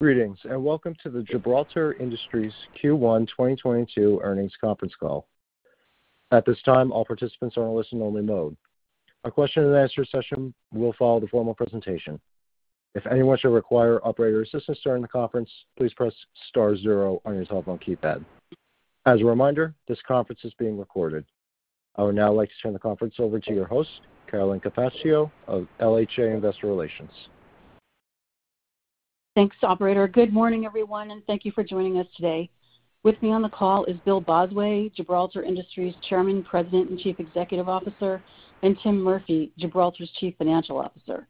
Greetings, and welcome to the Gibraltar Industries Q1 2022 earnings conference call. At this time, all participants are in a listen only mode. A question and answer session will follow the formal presentation. If anyone should require operator assistance during the conference, please press star zero on your telephone keypad. As a reminder, this conference is being recorded. I would now like to turn the conference over to your host, Carolyn Capaccio of LHA Investor Relations. Thanks, operator. Good morning, everyone, and thank you for joining us today. With me on the call is Bill Bosway, Gibraltar Industries Chairman, President, and Chief Executive Officer, and Tim Murphy, Gibraltar's Chief Financial Officer.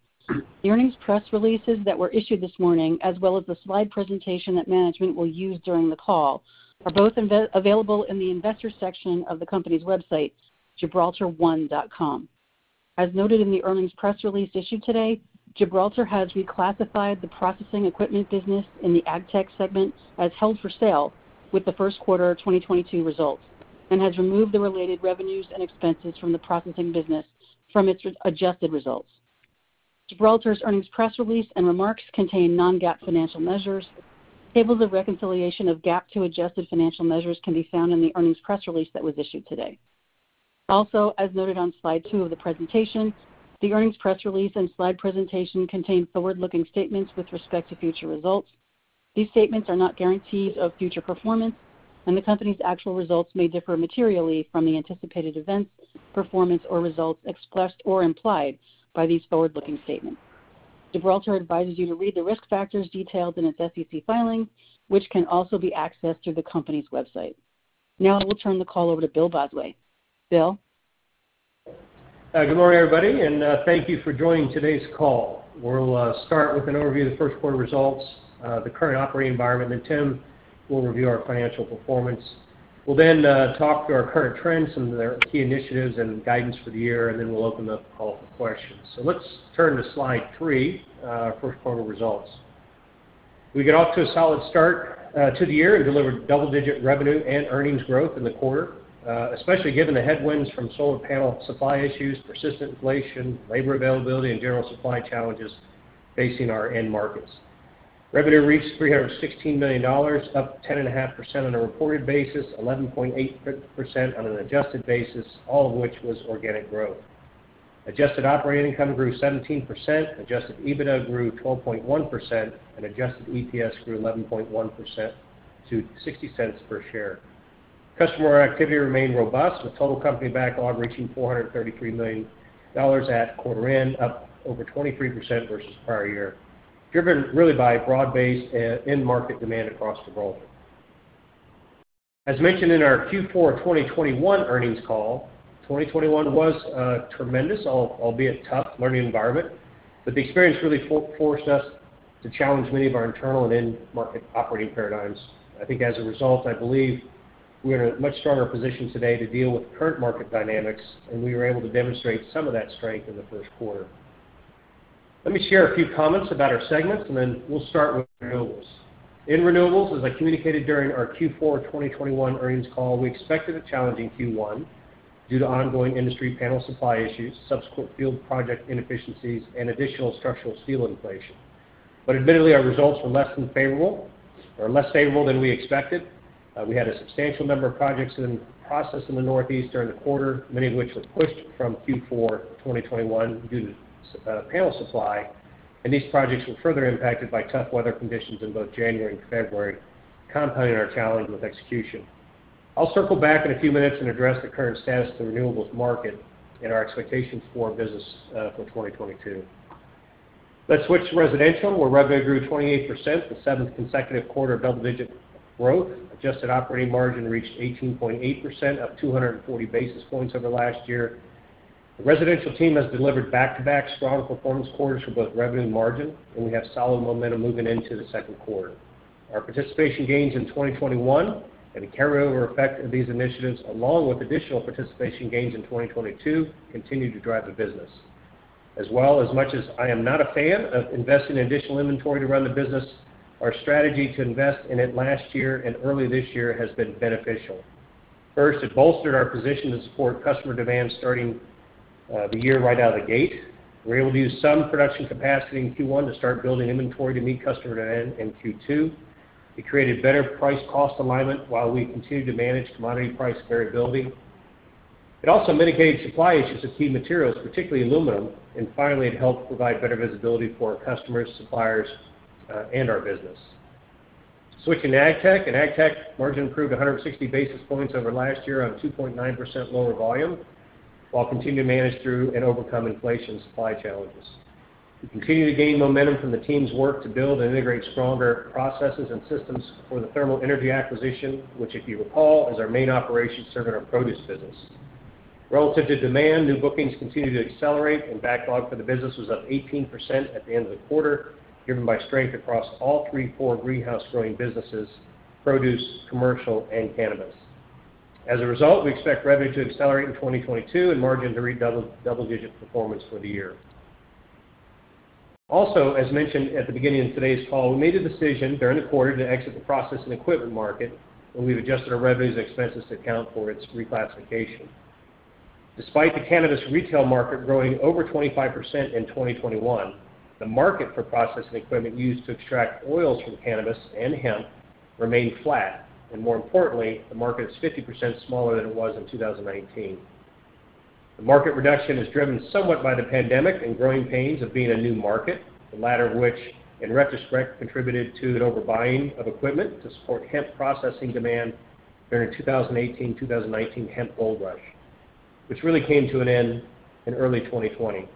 The earnings press releases that were issued this morning, as well as the slide presentation that management will use during the call, are both available in the investors section of the company's website, gibraltar1.com. As noted in the earnings press release issued today, Gibraltar has reclassified the processing equipment business in the Agtech segment as held for sale with the first quarter of 2022 results, and has removed the related revenues and expenses from the processing business from its adjusted results. Gibraltar's earnings press release and remarks contain non-GAAP financial measures. Tables of reconciliation of GAAP to adjusted financial measures can be found in the earnings press release that was issued today. Also, as noted on Slide 2 of the presentation, the earnings press release and slide presentation contain forward-looking statements with respect to future results. These statements are not guarantees of future performance and the company's actual results may differ materially from the anticipated events, performance, or results expressed or implied by these forward-looking statements. Gibraltar advises you to read the risk factors detailed in its SEC filing, which can also be accessed through the company's website. Now, I will turn the call over to Bill Bosway. Bill? Good morning, everybody, and thank you for joining today's call. We'll start with an overview of the first quarter results, the current operating environment. Then Tim will review our financial performance. We'll then talk to our current trends and our key initiatives and guidance for the year, and then we'll open the call up for questions. Let's turn to Slide 3, first quarter results. We got off to a solid start to the year and delivered double-digit revenue and earnings growth in the quarter, especially given the headwinds from solar panel supply issues, persistent inflation, labor availability, and general supply challenges facing our end markets. Revenue reached $316 million, up 10.5% on a reported basis, 11.8% on an adjusted basis, all of which was organic growth. Adjusted operating income grew 17%, Adjusted EBITDA grew 12.1%, and Adjusted EPS grew 11.1% to $0.60 per share. Customer activity remained robust, with total company backlog reaching $433 million at quarter end, up over 23% versus prior year, driven really by broad-based end market demand across Gibraltar. As mentioned in our Q4 of 2021 earnings call, 2021 was a tremendous, albeit tough learning environment, but the experience really forced us to challenge many of our internal and end market operating paradigms. I think as a result, I believe we are in a much stronger position today to deal with current market dynamics, and we were able to demonstrate some of that strength in the first quarter. Let me share a few comments about our segments, and then we'll start with renewables. In renewables, as I communicated during our Q4 of 2021 earnings call, we expected a challenging Q1 due to ongoing industry panel supply issues, subsequent field project inefficiencies, and additional structural steel inflation. Admittedly, our results were less than favorable or less favorable than we expected. We had a substantial number of projects in process in the Northeast during the quarter, many of which were pushed from Q4 of 2021 due to panel supply. These projects were further impacted by tough weather conditions in both January and February, compounding our challenge with execution. I'll circle back in a few minutes and address the current status of the renewables market and our expectations for our business for 2022. Let's switch to residential, where revenue grew 28%, the seventh consecutive quarter of double-digit growth. Adjusted operating margin reached 18.8%, up 240 basis points over last year. The residential team has delivered back-to-back stronger performance quarters for both revenue and margin, and we have solid momentum moving into the second quarter. Our participation gains in 2021 and the carryover effect of these initiatives, along with additional participation gains in 2022, continue to drive the business. As well, as much as I am not a fan of investing in additional inventory to run the business, our strategy to invest in it last year and early this year has been beneficial. First, it bolstered our position to support customer demand starting the year right out of the gate. We were able to use some production capacity in Q1 to start building inventory to meet customer demand in Q2. We created better price cost alignment while we continued to manage commodity price variability. It also mitigated supply issues of key materials, particularly aluminum. Finally, it helped provide better visibility for our customers, suppliers, and our business. Switching to Agtech. In Agtech, margin improved 160 basis points over last year on 2.9% lower volume while continuing to manage through and overcome inflation and supply challenges. We continue to gain momentum from the team's work to build and integrate stronger processes and systems for the Thermo Energy acquisition, which if you recall, is our main operation serving our produce business. Relative to demand, new bookings continue to accelerate and backlog for the business was up 18% at the end of the quarter, driven by strength across all three core greenhouse growing businesses, produce, commercial, and cannabis. As a result, we expect revenue to accelerate in 2022 and margin to reach double-digit performance for the year. Also, as mentioned at the beginning of today's call, we made a decision during the quarter to exit the processing equipment market, and we've adjusted our revenues and expenses to account for its reclassification. Despite the cannabis retail market growing over 25% in 2021, the market for processing equipment used to extract oils from cannabis and hemp remained flat. More importantly, the market is 50% smaller than it was in 2019. The market reduction is driven somewhat by the pandemic and growing pains of being a new market, the latter of which, in retrospect, contributed to an overbuying of equipment to support hemp processing demand during 2018-2019 hemp gold rush, which really came to an end in early 2020.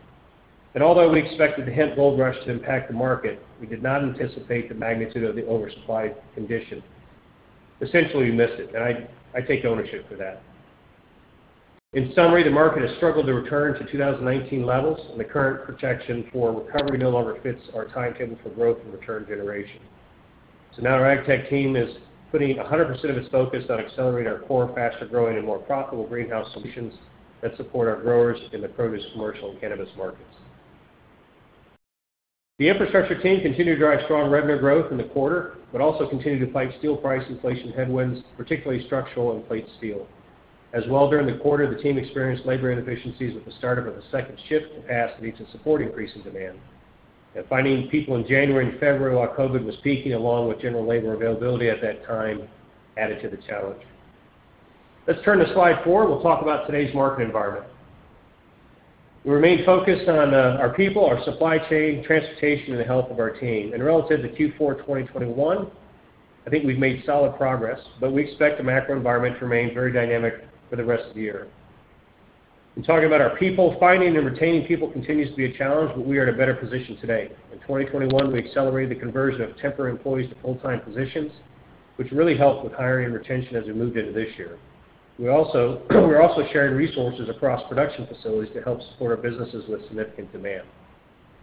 Although we expected the hemp gold rush to impact the market, we did not anticipate the magnitude of the oversupply condition. Essentially, we missed it, and I take ownership for that. In summary, the market has struggled to return to 2019 levels, and the current projection for recovery no longer fits our timetable for growth and return generation. Now our Agtech Team is putting 100% of its focus on accelerating our core, faster-growing, and more profitable greenhouse solutions that support our growers in the produce, commercial, and cannabis markets. The infrastructure team continued to drive strong revenue growth in the quarter, but also continued to fight steel price inflation headwinds, particularly structural and plate steel. As well during the quarter, the team experienced labor inefficiencies with the startup of the second shift capacity to support increasing demand. Finding people in January and February while COVID was peaking, along with general labor availability at that time, added to the challenge. Let's turn to Slide 4. We'll talk about today's market environment. We remain focused on our people, our supply chain, transportation, and the health of our team. Relative to Q4 2021, I think we've made solid progress, but we expect the macro environment to remain very dynamic for the rest of the year. In talking about our people, finding and retaining people continues to be a challenge, but we are in a better position today. In 2021, we accelerated the conversion of temporary employees to full-time positions, which really helped with hiring and retention as we moved into this year. We're also sharing resources across production facilities to help support our businesses with significant demand.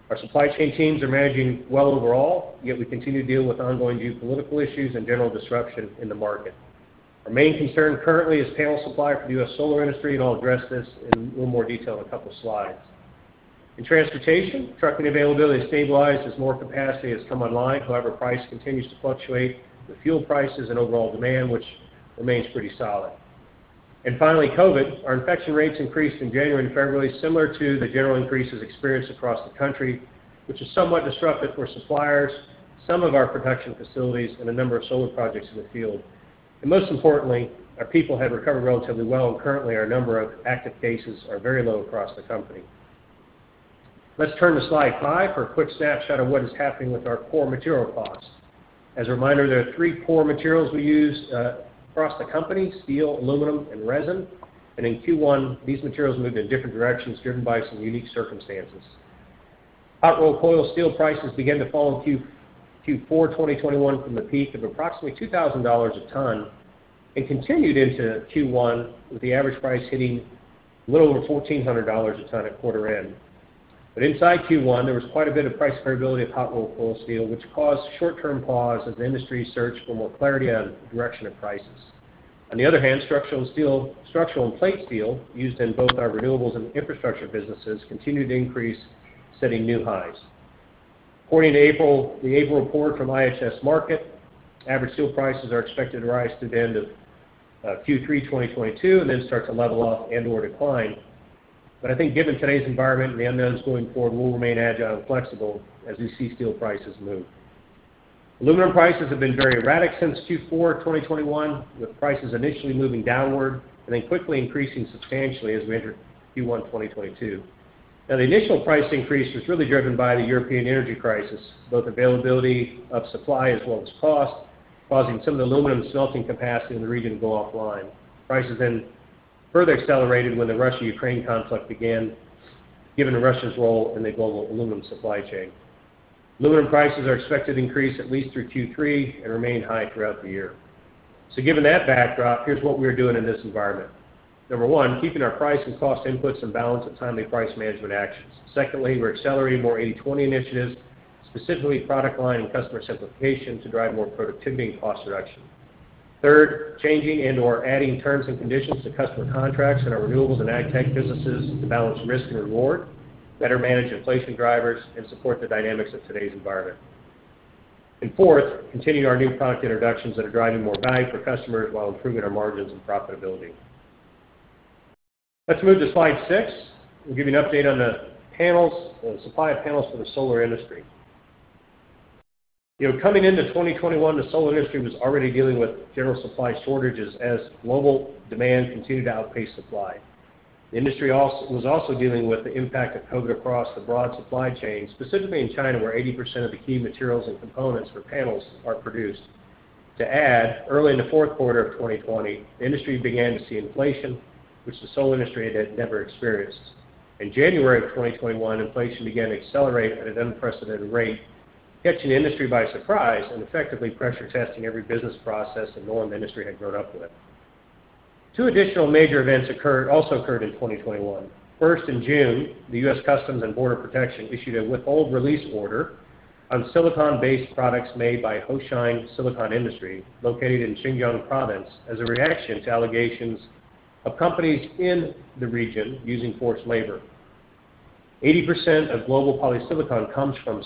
Our supply chain teams are managing well overall, yet we continue to deal with ongoing geopolitical issues and general disruption in the market. Our main concern currently is panel supply for the U.S. solar industry, and I'll address this in a little more detail in a couple slides. In transportation, trucking availability has stabilized as more capacity has come online. However, price continues to fluctuate with fuel prices and overall demand, which remains pretty solid. Finally, COVID. Our infection rates increased in January and February, similar to the general increases experienced across the country, which has somewhat disrupted our suppliers, some of our production facilities, and a number of solar projects in the field. Most importantly, our people have recovered relatively well. Currently, our number of active cases are very low across the company. Let's turn to Slide 5 for a quick snapshot of what is happening with our core material costs. As a reminder, there are three core materials we use, across the company, steel, aluminum, and resin. In Q1, these materials moved in different directions, driven by some unique circumstances. Hot-rolled coil steel prices began to fall in Q4 2021 from a peak of approximately $2,000 a ton and continued into Q1, with the average price hitting a little over $1,400 a ton at quarter end. Inside Q1, there was quite a bit of price variability of hot-rolled coil steel, which caused short-term pause as the industry searched for more clarity on direction of prices. On the other hand, structural and plate steel, used in both our renewables and infrastructure businesses, continued to increase, setting new highs. According to the April report from IHS Markit, average steel prices are expected to rise through the end of Q3 2022 and then start to level off and/or decline. I think given today's environment and the unknowns going forward, we'll remain agile and flexible as we see steel prices move. Aluminum prices have been very erratic since Q4 2021, with prices initially moving downward and then quickly increasing substantially as we entered Q1 2022. Now, the initial price increase was really driven by the European energy crisis, both availability of supply as well as cost, causing some of the aluminum smelting capacity in the region to go offline. Prices then further accelerated when the Russia-Ukraine conflict began, given Russia's role in the global aluminum supply chain. Aluminum prices are expected to increase at least through Q3 and remain high throughout the year. Given that backdrop, here's what we're doing in this environment. Number one, keeping our price and cost inputs in balance with timely price management actions. Secondly, we're accelerating more 80/20 initiatives, specifically product line and customer simplification, to drive more productivity and cost reduction. Third, changing and/or adding terms and conditions to customer contracts in our renewables and Agtech businesses to balance risk and reward, better manage inflation drivers, and support the dynamics of today's environment. Fourth, continuing our new product introductions that are driving more value for customers while improving our margins and profitability. Let's move to Slide 6. We'll give you an update on the supply of panels for the solar industry. You know, coming into 2021, the solar industry was already dealing with general supply shortages as global demand continued to outpace supply. The industry was also dealing with the impact of COVID across the broad supply chain, specifically in China, where 80% of the key materials and components for panels are produced. To add, early in the fourth quarter of 2020, the industry began to see inflation, which the solar industry had never experienced. In January of 2021, inflation began to accelerate at an unprecedented rate, catching the industry by surprise and effectively pressure testing every business process that no other industry had grown up with. Two additional major events occurred in 2021. First, in June, the U.S. Customs and Border Protection issued a Withhold Release Order on silicon-based products made by Hoshine Silicon Industry, located in Xinjiang province, as a reaction to allegations of companies in the region using forced labor. 80% of global polysilicon comes from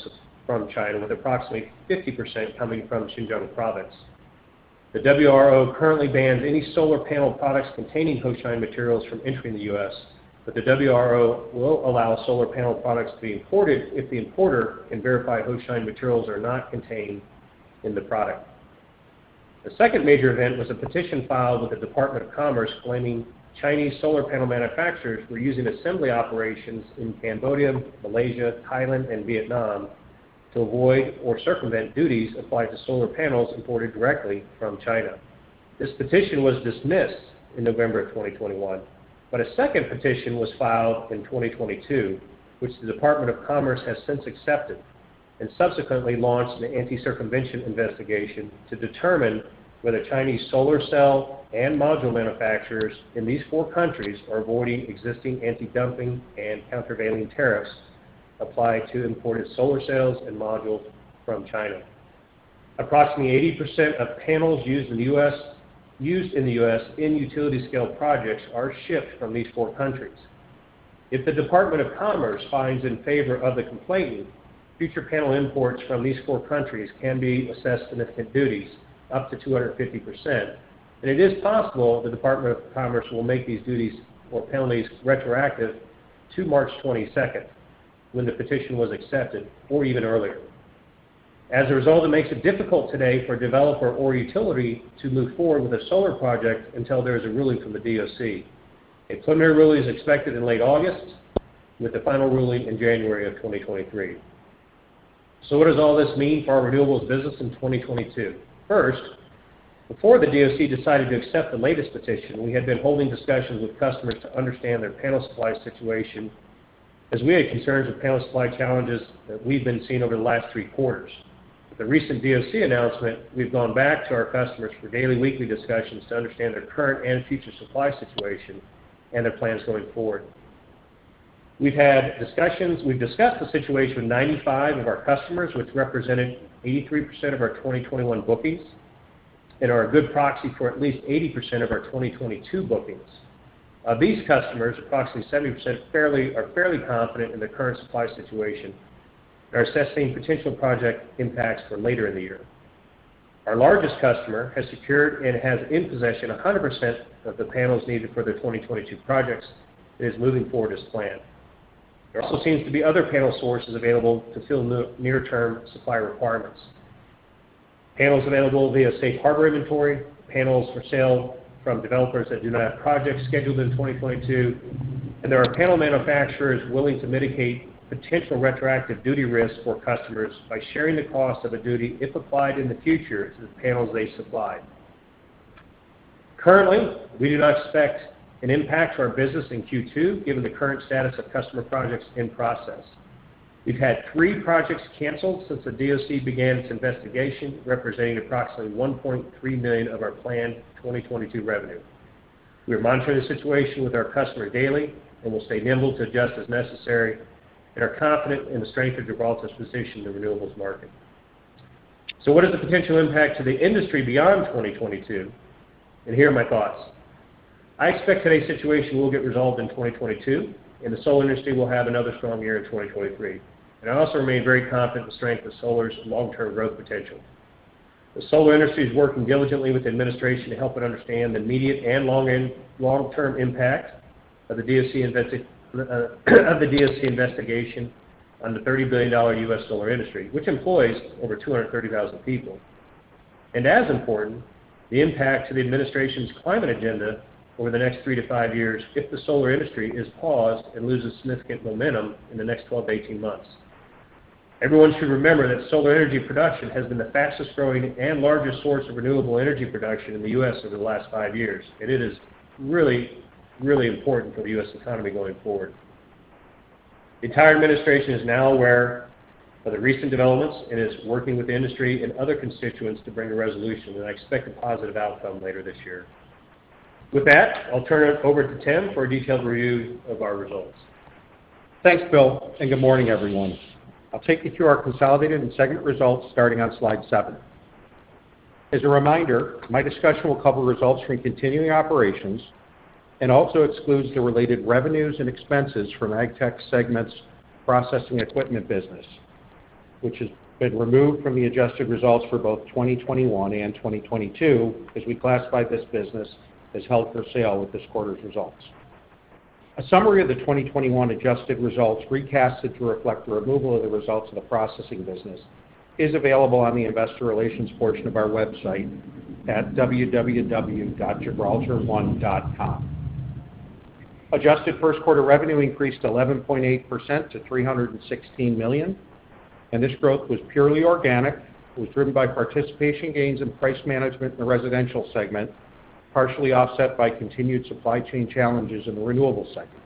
China, with approximately 50% coming from Xinjiang province. The WRO currently bans any solar panel products containing Hoshine materials from entering the US, but the WRO will allow solar panel products to be imported if the importer can verify Hoshine materials are not contained in the product. The second major event was a petition filed with the Department of Commerce claiming Chinese solar panel manufacturers were using assembly operations in Cambodia, Malaysia, Thailand, and Vietnam to avoid or circumvent duties applied to solar panels imported directly from China. This petition was dismissed in November of 2021. A second petition was filed in 2022, which the Department of Commerce has since accepted, and subsequently launched an anti-circumvention investigation to determine whether Chinese solar cell and module manufacturers in these four countries are avoiding existing antidumping and countervailing tariffs applied to imported solar cells and modules from China. Approximately 80% of panels used in the U.S. in utility-scale projects are shipped from these four countries. If the Department of Commerce finds in favor of the complainant, future panel imports from these four countries can be assessed significant duties, up to 250%, and it is possible the Department of Commerce will make these duties or penalties retroactive to March 22nd, when the petition was accepted, or even earlier. As a result, it makes it difficult today for a developer or utility to move forward with a solar project until there is a ruling from the DOC. A preliminary ruling is expected in late August, with the final ruling in January of 2023. What does all this mean for our renewables business in 2022? First, before the DOC decided to accept the latest petition, we had been holding discussions with customers to understand their panel supply situation, as we had concerns with panel supply challenges that we've been seeing over the last three quarters. With the recent DOC announcement, we've gone back to our customers for daily and weekly discussions to understand their current and future supply situation and their plans going forward. We've discussed the situation with 95 of our customers, which represented 83% of our 2021 bookings, and are a good proxy for at least 80% of our 2022 bookings. Of these customers, approximately 70% are fairly confident in their current supply situation, and are assessing potential project impacts for later in the year. Our largest customer has secured and has in possession 100% of the panels needed for their 2022 projects, and is moving forward as planned. There also seems to be other panel sources available to fill the near-term supply requirements. Panels available via safe harbor inventory, panels for sale from developers that do not have projects scheduled in 2022, and there are panel manufacturers willing to mitigate potential retroactive duty risks for customers by sharing the cost of a duty, if applied in the future, to the panels they supplied. Currently, we do not expect an impact to our business in Q2, given the current status of customer projects in process. We've had three projects canceled since the DOC began its investigation, representing approximately $1.3 million of our planned 2022 revenue. We are monitoring the situation with our customer daily, and will stay nimble to adjust as necessary, and are confident in the strength of Gibraltar's position in the renewables market. What is the potential impact to the industry beyond 2022? Here are my thoughts. I expect today's situation will get resolved in 2022, and the solar industry will have another strong year in 2023. I also remain very confident in the strength of solar's long-term growth potential. The solar industry is working diligently with the administration to help it understand the immediate and long-term impact of the DOC investigation on the $30 billion U.S. solar industry, which employs over 230,000 people. As important, the impact to the administration's climate agenda over the next three to five years if the solar industry is paused and loses significant momentum in the next 12-18 months. Everyone should remember that solar energy production has been the fastest-growing and largest source of renewable energy production in the U.S. over the last five years, and it is really, really important for the U.S. economy going forward. The entire administration is now aware of the recent developments, and is working with the industry and other constituents to bring a resolution, and I expect a positive outcome later this year. With that, I'll turn it over to Tim for a detailed review of our results. Thanks, Bill, and good morning, everyone. I'll take you through our consolidated and segment results starting on Slide 7. As a reminder, my discussion will cover results from continuing operations and also excludes the related revenues and expenses from Agtech segment's processing equipment business, which has been removed from the adjusted results for both 2021 and 2022, as we classified this business as held for sale with this quarter's results. A summary of the 2021 adjusted results, restated to reflect the removal of the results of the processing business, is available on the investor relations portion of our website at www.gibraltar1.com. Adjusted first quarter revenue increased 11.8% to $316 million, and this growth was purely organic. It was driven by participation gains and price management in the residential segment, partially offset by continued supply chain challenges in the renewables segment.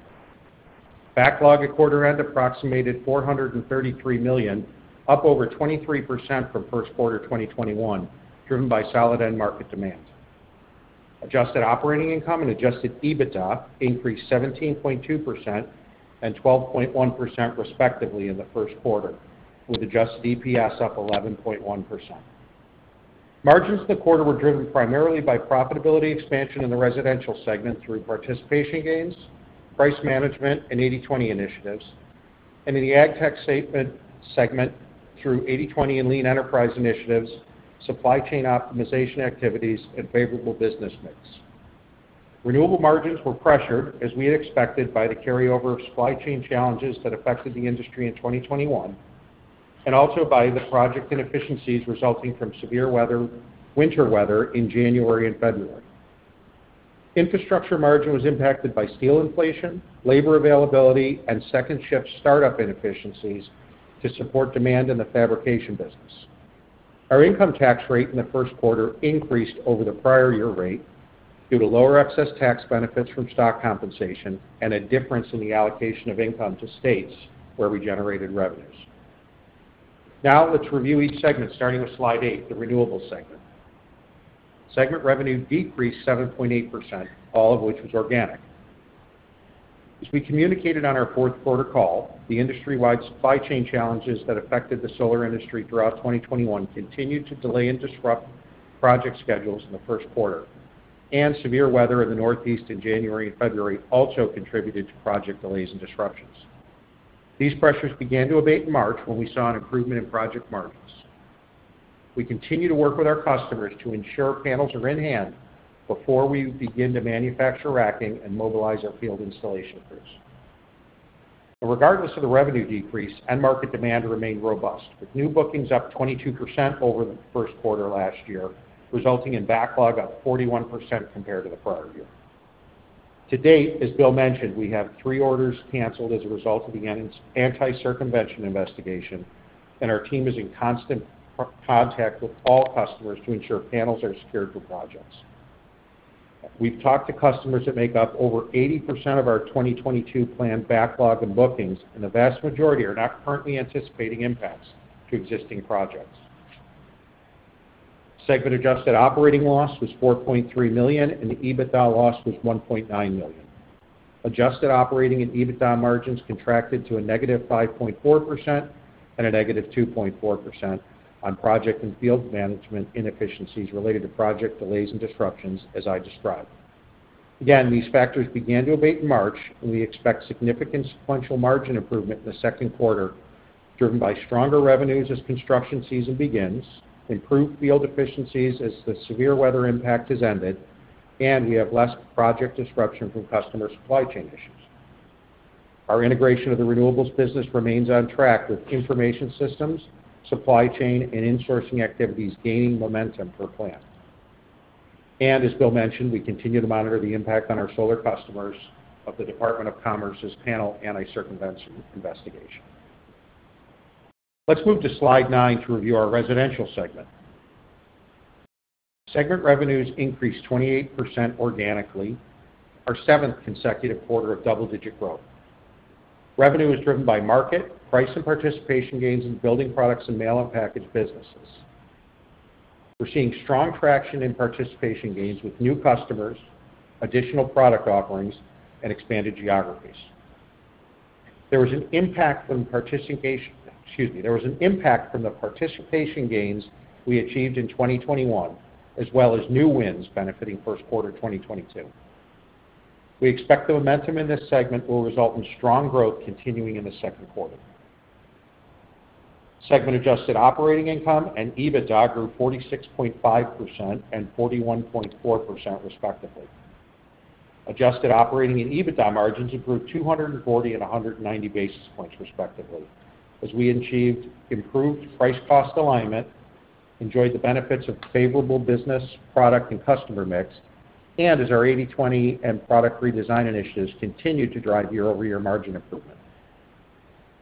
Backlog at quarter end approximated $433 million, up over 23% from first quarter 2021, driven by solid end market demand. Adjusted operating income and Adjusted EBITDA increased 17.2% and 12.1% respectively in the first quarter, with Adjusted EPS up 11.1%. Margins in the quarter were driven primarily by profitability expansion in the residential segment through participation gains, price management, and 80/20 initiatives, and in the Agtech segment through 80/20 and lean enterprise initiatives, supply chain optimization activities, and favorable business mix. Renewables margins were pressured, as we had expected, by the carryover of supply chain challenges that affected the industry in 2021, and also by the project inefficiencies resulting from severe winter weather in January and February. Infrastructure margin was impacted by steel inflation, labor availability, and second shift startup inefficiencies to support demand in the fabrication business. Our income tax rate in the first quarter increased over the prior year rate due to lower excess tax benefits from stock compensation and a difference in the allocation of income to states where we generated revenues. Now let's review each segment starting with Slide 8, the renewables segment. Segment revenue decreased 7.8%, all of which was organic. As we communicated on our fourth quarter call, the industry-wide supply chain challenges that affected the solar industry throughout 2021 continued to delay and disrupt project schedules in the first quarter, and severe weather in the Northeast in January and February also contributed to project delays and disruptions. These pressures began to abate in March when we saw an improvement in project margins. We continue to work with our customers to ensure panels are in hand before we begin to manufacture racking and mobilize our field installation crews. Regardless of the revenue decrease, end market demand remained robust, with new bookings up 22% over the first quarter last year, resulting in backlog up 41% compared to the prior year. To date, as Bill mentioned, we have three orders canceled as a result of the anti-circumvention investigation, and our team is in constant contact with all customers to ensure panels are secured for projects. We've talked to customers that make up over 80% of our 2022 planned backlog and bookings, and the vast majority are not currently anticipating impacts to existing projects. Segment adjusted operating loss was $4.3 million, and the EBITDA loss was $1.9 million. Adjusted operating and EBITDA margins contracted to -5.4% and -2.4% on project and field management inefficiencies related to project delays and disruptions, as I described. Again, these factors began to abate in March, and we expect significant sequential margin improvement in the second quarter, driven by stronger revenues as construction season begins, improved field efficiencies as the severe weather impact has ended, and we have less project disruption from customer supply chain issues. Our integration of the renewables business remains on track, with information systems, supply chain, and insourcing activities gaining momentum per plan. As Bill mentioned, we continue to monitor the impact on our solar customers of the Department of Commerce's panel anti-circumvention investigation. Let's move to Slide 9 to review our residential segment. Segment revenues increased 28% organically, our seventh consecutive quarter of double-digit growth. Revenue is driven by market, price, and participation gains in building products and mail and package businesses. We're seeing strong traction in participation gains with new customers, additional product offerings, and expanded geographies. There was an impact from the participation gains we achieved in 2021, as well as new wins benefiting first quarter 2022. We expect the momentum in this segment will result in strong growth continuing in the second quarter. Segment Adjusted operating income and EBITDA grew 46.5% and 41.4%, respectively. Adjusted operating and EBITDA margins improved 240 and 190 basis points, respectively, as we achieved improved price-cost alignment, enjoyed the benefits of favorable business, product, and customer mix, and as our 80/20 and product redesign initiatives continued to drive year-over-year margin improvement.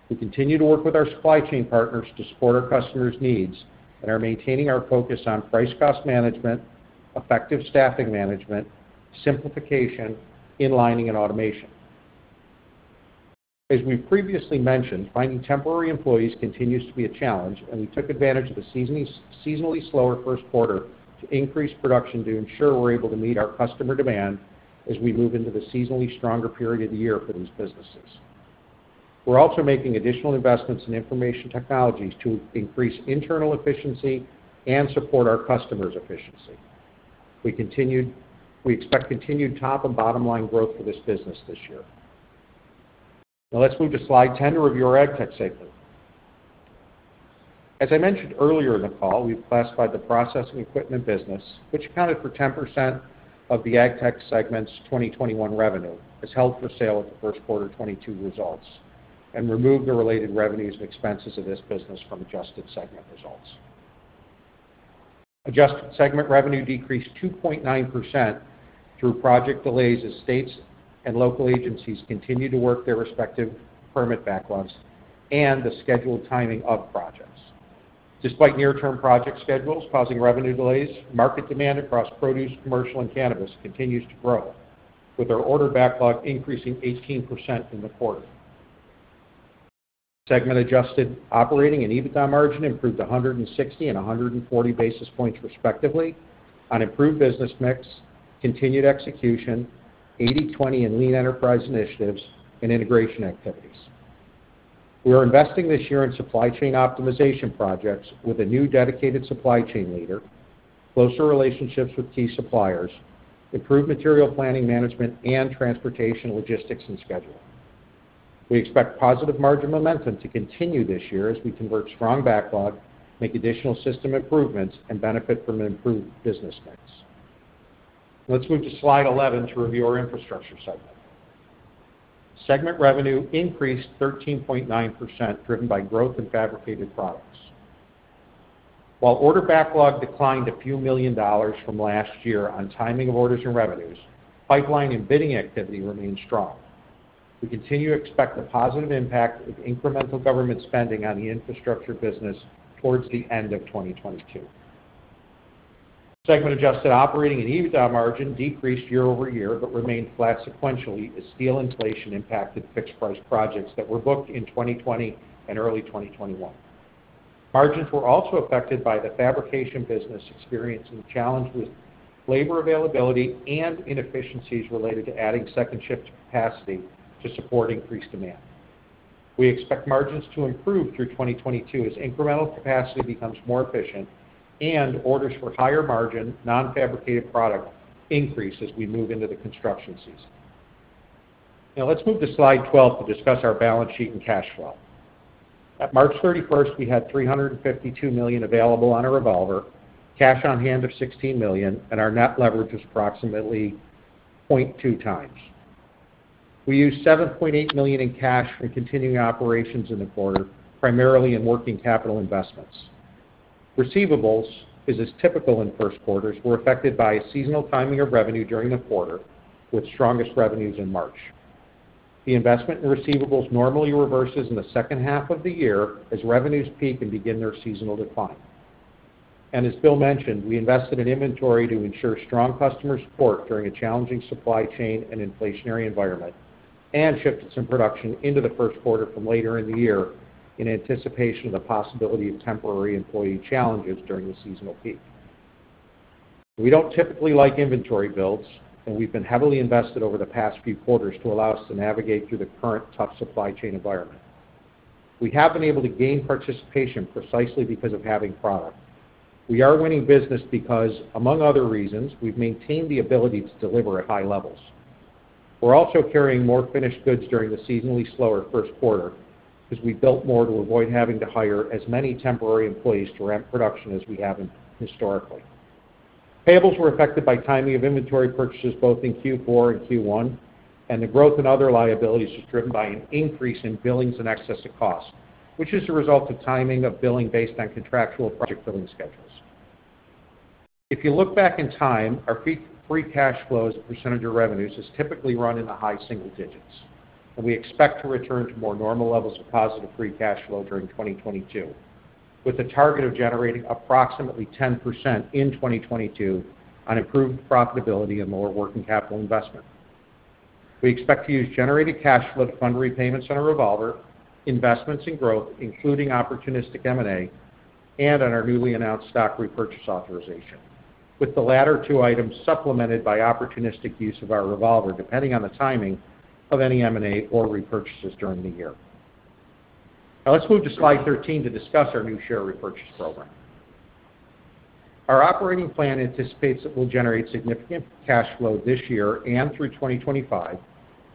We continue to work with our supply chain partners to support our customers' needs and are maintaining our focus on price-cost management, effective staffing management, simplification, inlining, and automation. As we've previously mentioned, finding temporary employees continues to be a challenge, and we took advantage of the seasonally slower first quarter to increase production to ensure we're able to meet our customer demand as we move into the seasonally stronger period of the year for these businesses. We're also making additional investments in information technologies to increase internal efficiency and support our customers' efficiency. We expect continued top and bottom line growth for this business this year. Now let's move to Slide 10 to review our Agtech segment. As I mentioned earlier in the call, we've classified the processing equipment business, which accounted for 10% of the Agtech segment's 2021 revenue, as held for sale at the first quarter 2022 results and removed the related revenues and expenses of this business from adjusted segment results. Adjusted segment revenue decreased 2.9% through project delays as states and local agencies continue to work their respective permit backlogs and the scheduled timing of projects. Despite near-term project schedules causing revenue delays, market demand across produce, commercial, and cannabis continues to grow, with our order backlog increasing 18% in the quarter. Segment Adjusted operating and EBITDA margin improved 160 and 140 basis points, respectively, on improved business mix, continued execution, 80/20 and lean enterprise initiatives, and integration activities. We are investing this year in supply chain optimization projects with a new dedicated supply chain leader, closer relationships with key suppliers, improved material planning management, and transportation logistics and scheduling. We expect positive margin momentum to continue this year as we convert strong backlog, make additional system improvements, and benefit from an improved business mix. Let's move to Slide 11 to review our Infrastructure segment. Segment revenue increased 13.9%, driven by growth in fabricated products. While order backlog declined a few million dollars from last year on timing of orders and revenues, pipeline and bidding activity remains strong. We continue to expect the positive impact of incremental government spending on the infrastructure business towards the end of 2022. Segment Adjusted operating and EBITDA margin decreased year-over-year, but remained flat sequentially as steel inflation impacted fixed-price projects that were booked in 2020 and early 2021. Margins were also affected by the fabrication business experiencing challenges with labor availability and inefficiencies related to adding second shift capacity to support increased demand. We expect margins to improve through 2022 as incremental capacity becomes more efficient and orders for higher margin non-fabricated product increase as we move into the construction season. Now let's move to Slide 12 to discuss our balance sheet and cash flow. At March 31st, we had $352 million available on our revolver, cash on hand of $16 million, and our net leverage is approximately 0.2x. We used $7.8 million in cash from continuing operations in the quarter, primarily in working capital investments. Receivables, as is typical in first quarters, were affected by a seasonal timing of revenue during the quarter, with strongest revenues in March. The investment in receivables normally reverses in the second half of the year as revenues peak and begin their seasonal decline. As Bill mentioned, we invested in inventory to ensure strong customer support during a challenging supply chain and inflationary environment, and shifted some production into the first quarter from later in the year in anticipation of the possibility of temporary employee challenges during the seasonal peak. We don't typically like inventory builds, and we've been heavily invested over the past few quarters to allow us to navigate through the current tough supply chain environment. We have been able to gain participation precisely because of having product. We are winning business because, among other reasons, we've maintained the ability to deliver at high levels. We're also carrying more finished goods during the seasonally slower first quarter as we built more to avoid having to hire as many temporary employees to ramp production as we have historically. Payables were affected by timing of inventory purchases both in Q4 and Q1, and the growth in other liabilities was driven by an increase in billings in excess of cost, which is the result of timing of billing based on contractual project billing schedules. If you look back in time, our fee-free cash flow as a percentage of revenues has typically run in the high single digits%, and we expect to return to more normal levels of positive free cash flow during 2022, with a target of generating approximately 10% in 2022 on improved profitability and lower working capital investment. We expect to use generated cash flow to fund repayments on our revolver, investments in growth, including opportunistic M&A, and on our newly announced stock repurchase authorization, with the latter two items supplemented by opportunistic use of our revolver, depending on the timing of any M&A or repurchases during the year. Now let's move to Slide 13 to discuss our new share repurchase program. Our operating plan anticipates that we'll generate significant cash flow this year and through 2025,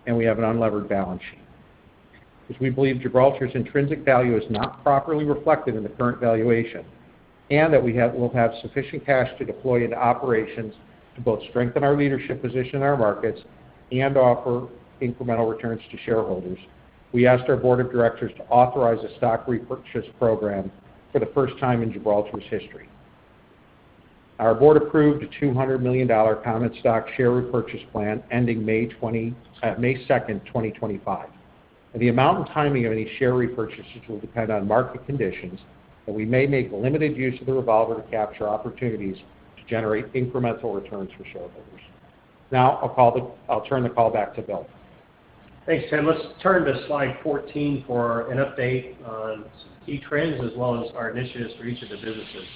and we have an unlevered balance sheet. As we believe Gibraltar's intrinsic value is not properly reflected in the current valuation, and that we'll have sufficient cash to deploy into operations to both strengthen our leadership position in our markets and offer incremental returns to shareholders, we asked our board of directors to authorize a stock repurchase program for the first time in Gibraltar's history. Our board approved a $200 million common stock share repurchase plan ending May 2, 2025. The amount and timing of any share repurchases will depend on market conditions, but we may make limited use of the revolver to capture opportunities to generate incremental returns for shareholders. Now I'll turn the call back to Bill. Thanks, Tim. Let's turn to Slide 14 for an update on some key trends as well as our initiatives for each of the businesses.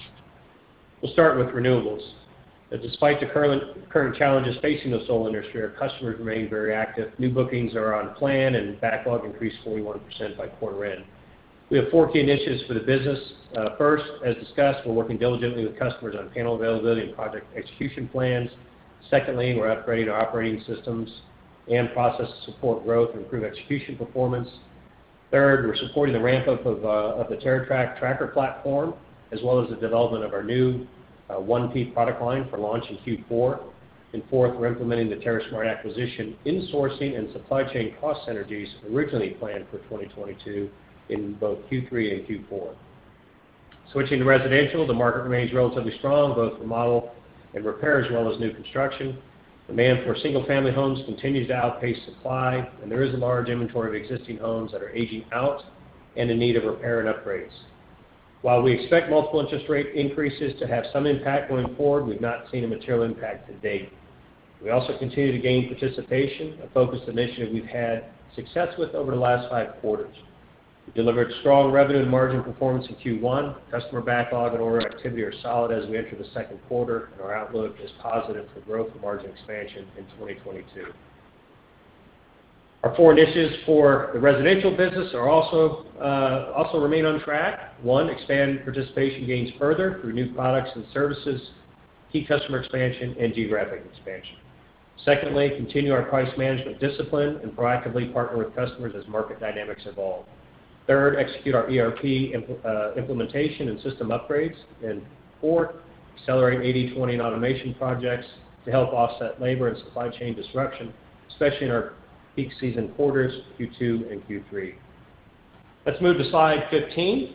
We'll start with Renewables. Despite the current challenges facing the solar industry, our customers remain very active. New bookings are on plan and backlog increased 41% by quarter end. We have four key initiatives for the business. First, as discussed, we're working diligently with customers on panel availability and project execution plans. Secondly, we're upgrading our operating systems and processes to support growth and improve execution performance. Third, we're supporting the ramp-up of the TerraTrak tracker platform, as well as the development of our new 1P product line for launch in Q4. Fourth, we're implementing the TerraSmart acquisition in sourcing and supply chain cost synergies originally planned for 2022 in both Q3 and Q4. Switching to Residential, the market remains relatively strong, both remodel and repair as well as new construction. Demand for single-family homes continues to outpace supply, and there is a large inventory of existing homes that are aging out and in need of repair and upgrades. While we expect multiple interest rate increases to have some impact going forward, we've not seen a material impact to date. We also continue to gain participation, a focused initiative we've had success with over the last five quarters. We delivered strong revenue and margin performance in Q1. Customer backlog and order activity are solid as we enter the second quarter, and our outlook is positive for growth and margin expansion in 2022. Our four initiatives for the residential business are also remain on track. One, expand participation gains further through new products and services, key customer expansion and geographic expansion. Secondly, continue our price management discipline and proactively partner with customers as market dynamics evolve. Third, execute our ERP implementation and system upgrades. Four, accelerate 80/20 and automation projects to help offset labor and supply chain disruption, especially in our peak season quarters, Q2 and Q3. Let's move to Slide 15.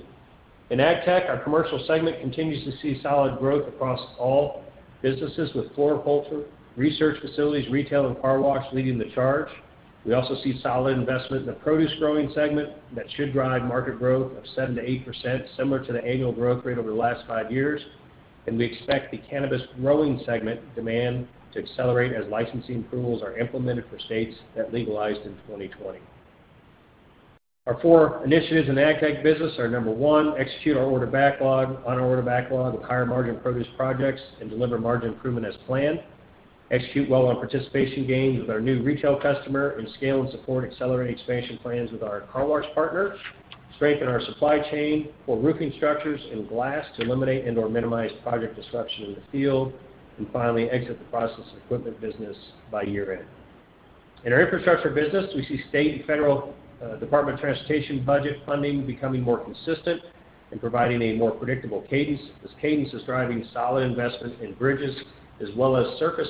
In Agtech, our commercial segment continues to see solid growth across all businesses, with floriculture, research facilities, retail, and car wash leading the charge. We also see solid investment in the produce growing segment that should drive market growth of 7%-8%, similar to the annual growth rate over the last five years, and we expect the cannabis growing segment demand to accelerate as licensing approvals are implemented for states that legalized in 2020. Our four initiatives in the Agtech business are, number one, execute our order backlog with higher margin produce projects and deliver margin improvement as planned. Execute well on participation gains with our new retail customer, and scale and support accelerated expansion plans with our car wash partner. Strengthen our supply chain for roofing structures and glass to eliminate and/or minimize project disruption in the field. Finally, exit the process equipment business by year-end. In our infrastructure business, we see state and federal Department of Transportation budget funding becoming more consistent and providing a more predictable cadence. This cadence is driving solid investment in bridges as well as surface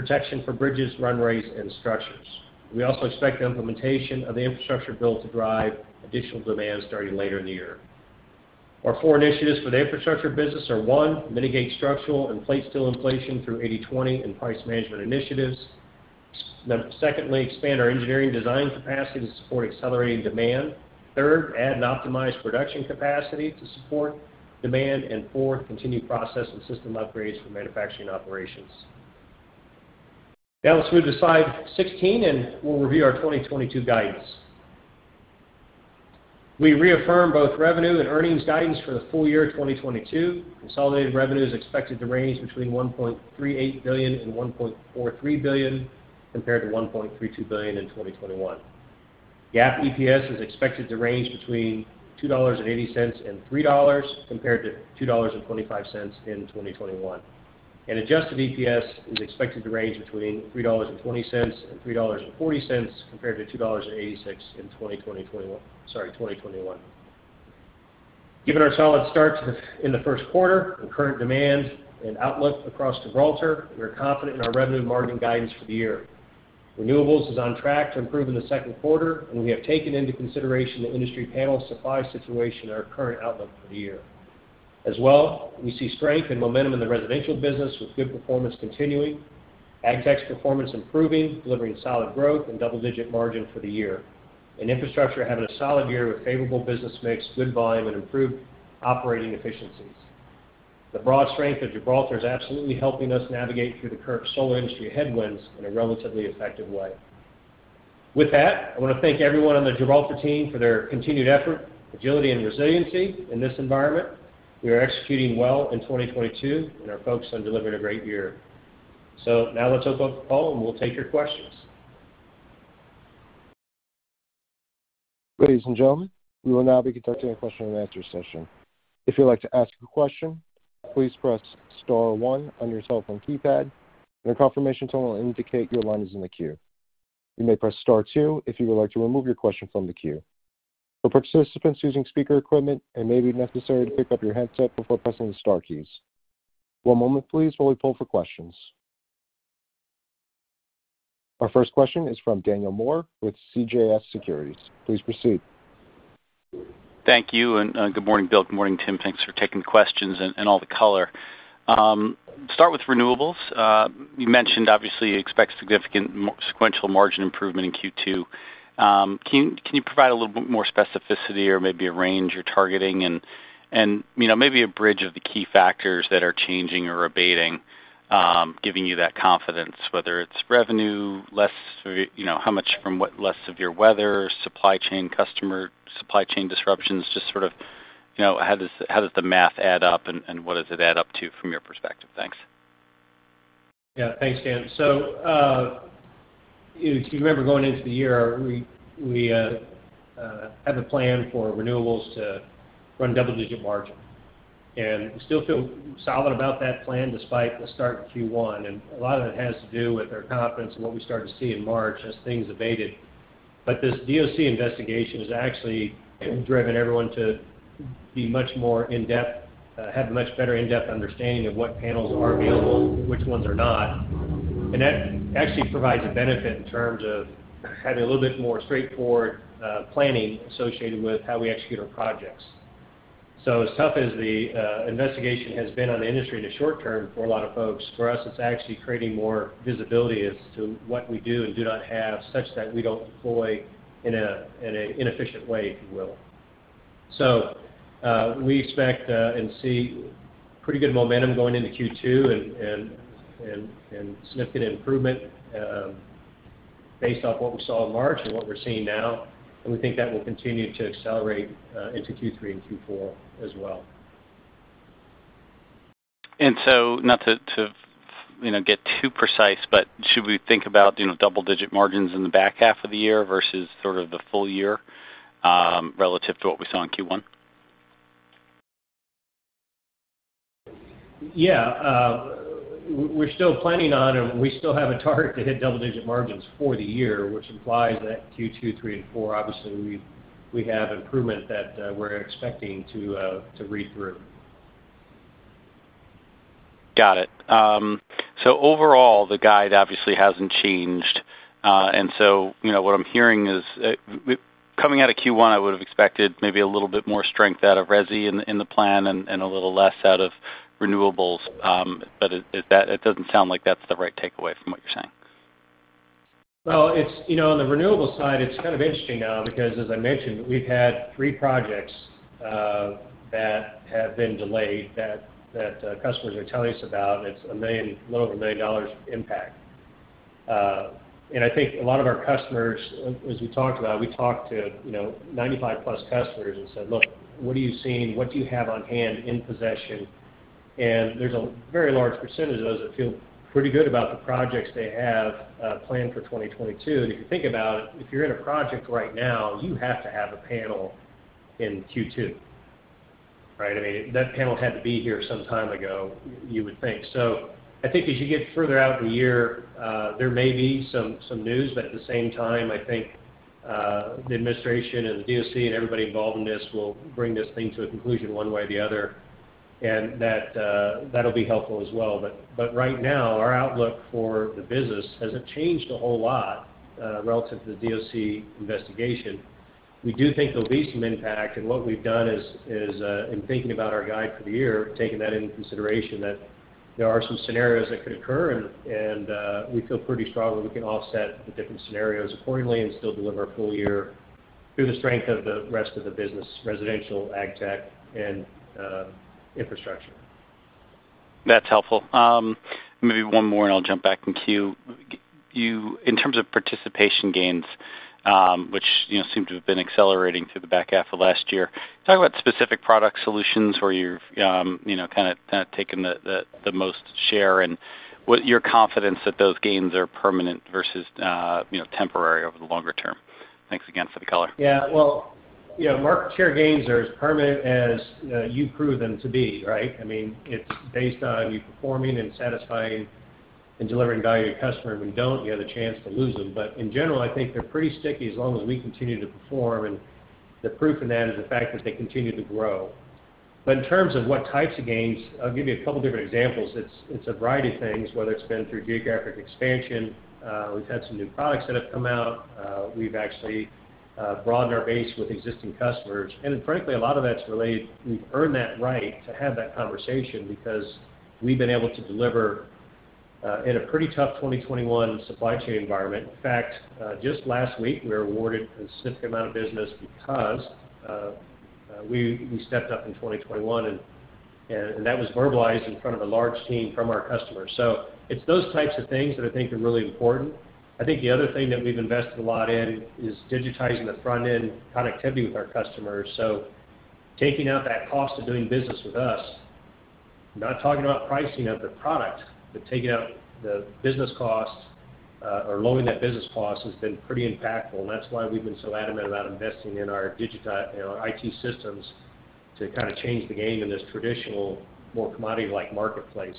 protection for bridges, runways, and structures. We also expect the implementation of the infrastructure bill to drive additional demand starting later in the year. Our four initiatives for the infrastructure business are, one, mitigate structural and plate steel inflation through 80/20 and price management initiatives. Secondly, expand our engineering design capacity to support accelerating demand. Third, add and optimize production capacity to support demand. Four, continue process and system upgrades for manufacturing operations. Now let's move to Slide 16, and we'll review our 2022 guidance. We reaffirm both revenue and earnings guidance for the full-year 2022. Consolidated revenue is expected to range between $1.38 billion-$1.43 billion, compared to $1.32 billion in 2021. GAAP EPS is expected to range between $2.80 and $3, compared to $2.25 in 2021. Adjusted EPS is expected to range between $3.20 and $3.40, compared to $2.86 in 2021. Given our solid start in the first quarter and current demand and outlook across Gibraltar, we are confident in our revenue margin guidance for the year. Renewables is on track to improve in the second quarter, and we have taken into consideration the industry panel supply situation in our current outlook for the year. As well, we see strength and momentum in the residential business with good performance continuing, Agtech's performance improving, delivering solid growth and double-digit margin for the year, and infrastructure having a solid year with favorable business mix, good volume, and improved operating efficiencies. The broad strength of Gibraltar is absolutely helping us navigate through the current solar industry headwinds in a relatively effective way. With that, I wanna thank everyone on the Gibraltar team for their continued effort, agility, and resiliency in this environment. We are executing well in 2022, and are focused on delivering a great year. Now let's open up the call, and we'll take your questions. Ladies and gentlemen, we will now be conducting a question and answer session. If you'd like to ask a question, please press star one on your telephone keypad, and a confirmation tone will indicate your line is in the queue. You may press star two if you would like to remove your question from the queue. For participants using speaker equipment, it may be necessary to pick up your headset before pressing the star keys. One moment, please, while we poll for questions. Our first question is from Daniel Moore with CJS Securities. Please proceed. Thank you, good morning, Bill. Good morning, Tim. Thanks for taking the questions and all the color. Start with renewables. You mentioned obviously you expect significant sequential margin improvement in Q2. Can you provide a little bit more specificity or maybe a range you're targeting and, you know, maybe a bridge of the key factors that are changing or abating, giving you that confidence, whether it's revenue, less, you know, how much from what less severe weather, supply chain customer, supply chain disruptions, just sort of, you know, how does the math add up and what does it add up to from your perspective? Thanks. Yeah. Thanks, Dan. If you remember going into the year, we had the plan for renewables to run double-digit margin, and we still feel solid about that plan despite the start to Q1, and a lot of it has to do with our confidence in what we started to see in March as things abated. This DOC investigation has actually driven everyone to be much more in depth, have a much better in-depth understanding of what panels are available and which ones are not. That actually provides a benefit in terms of having a little bit more straightforward planning associated with how we execute our projects. As tough as the investigation has been on the industry in the short term for a lot of folks, for us, it's actually creating more visibility as to what we do and do not have such that we don't deploy in an inefficient way, if you will. We expect and see pretty good momentum going into Q2 and significant improvement based off what we saw in March and what we're seeing now, and we think that will continue to accelerate into Q3 and Q4 as well. Not to get too precise, but should we think about, you know, double-digit margins in the back half of the year versus sort of the ful- year, relative to what we saw in Q1? Yeah. We're still planning on, and we still have a target to hit double-digit margins for the year, which implies that Q2, Q3 and Q4, obviously, we have improvement that we're expecting to read through. Got it. Overall, the guide obviously hasn't changed. You know, what I'm hearing is, coming out of Q1, I would've expected maybe a little bit more strength out of resi in the plan and a little less out of renewables. It doesn't sound like that's the right takeaway from what you're saying. Well, it's, you know, on the renewable side, it's kind of interesting now because as I mentioned, we've had three projects that have been delayed that customers are telling us about, and it's $1 million, a little over $1 million impact. And I think a lot of our customers, as we talked about, we talked to, you know, 95 plus customers and said, "Look, what are you seeing? What do you have on hand in possession?" And there's a very large percentage of those that feel pretty good about the projects they have planned for 2022. And if you think about it, if you're in a project right now, you have to have a panel in Q2, right? I mean, that panel had to be here some time ago, you would think. I think as you get further out in the year, there may be some news, but at the same time, I think the administration and the DOC and everybody involved in this will bring this thing to a conclusion one way or the other, and that'll be helpful as well. Right now, our outlook for the business hasn't changed a whole lot relative to the DOC investigation. We do think there'll be some impact, and what we've done is in thinking about our guide for the year, taking that into consideration that there are some scenarios that could occur and we feel pretty strongly we can offset the different scenarios accordingly and still deliver a full-year through the strength of the rest of the business, residential, Agtech and infrastructure. That's helpful. Maybe one more, and I'll jump back in queue. In terms of participation gains, which, you know, seem to have been accelerating through the back half of last year, talk about specific product solutions where you've, you know, kinda taken the most share and what your confidence that those gains are permanent versus, you know, temporary over the longer term. Thanks again for the color. Yeah. Well, you know, market share gains are as permanent as you prove them to be, right? I mean, it's based on you performing and satisfying and delivering value to your customer. If you don't, you have the chance to lose them. In general, I think they're pretty sticky as long as we continue to perform, and the proof in that is the fact that they continue to grow. In terms of what types of gains, I'll give you a couple different examples. It's a variety of things, whether it's been through geographic expansion, we've had some new products that have come out. We've actually broadened our base with existing customers. Frankly, a lot of that's related. We've earned that right to have that conversation because we've been able to deliver in a pretty tough 2021 supply chain environment. In fact, just last week, we were awarded a significant amount of business because we stepped up in 2021, and that was verbalized in front of a large team from our customers. It's those types of things that I think are really important. I think the other thing that we've invested a lot in is digitizing the front end connectivity with our customers. Taking out that cost of doing business with us, not talking about pricing of the product, but taking out the business costs, or lowering that business cost has been pretty impactful, and that's why we've been so adamant about investing in our you know, our IT systems to kind of change the game in this traditional, more commodity-like marketplace.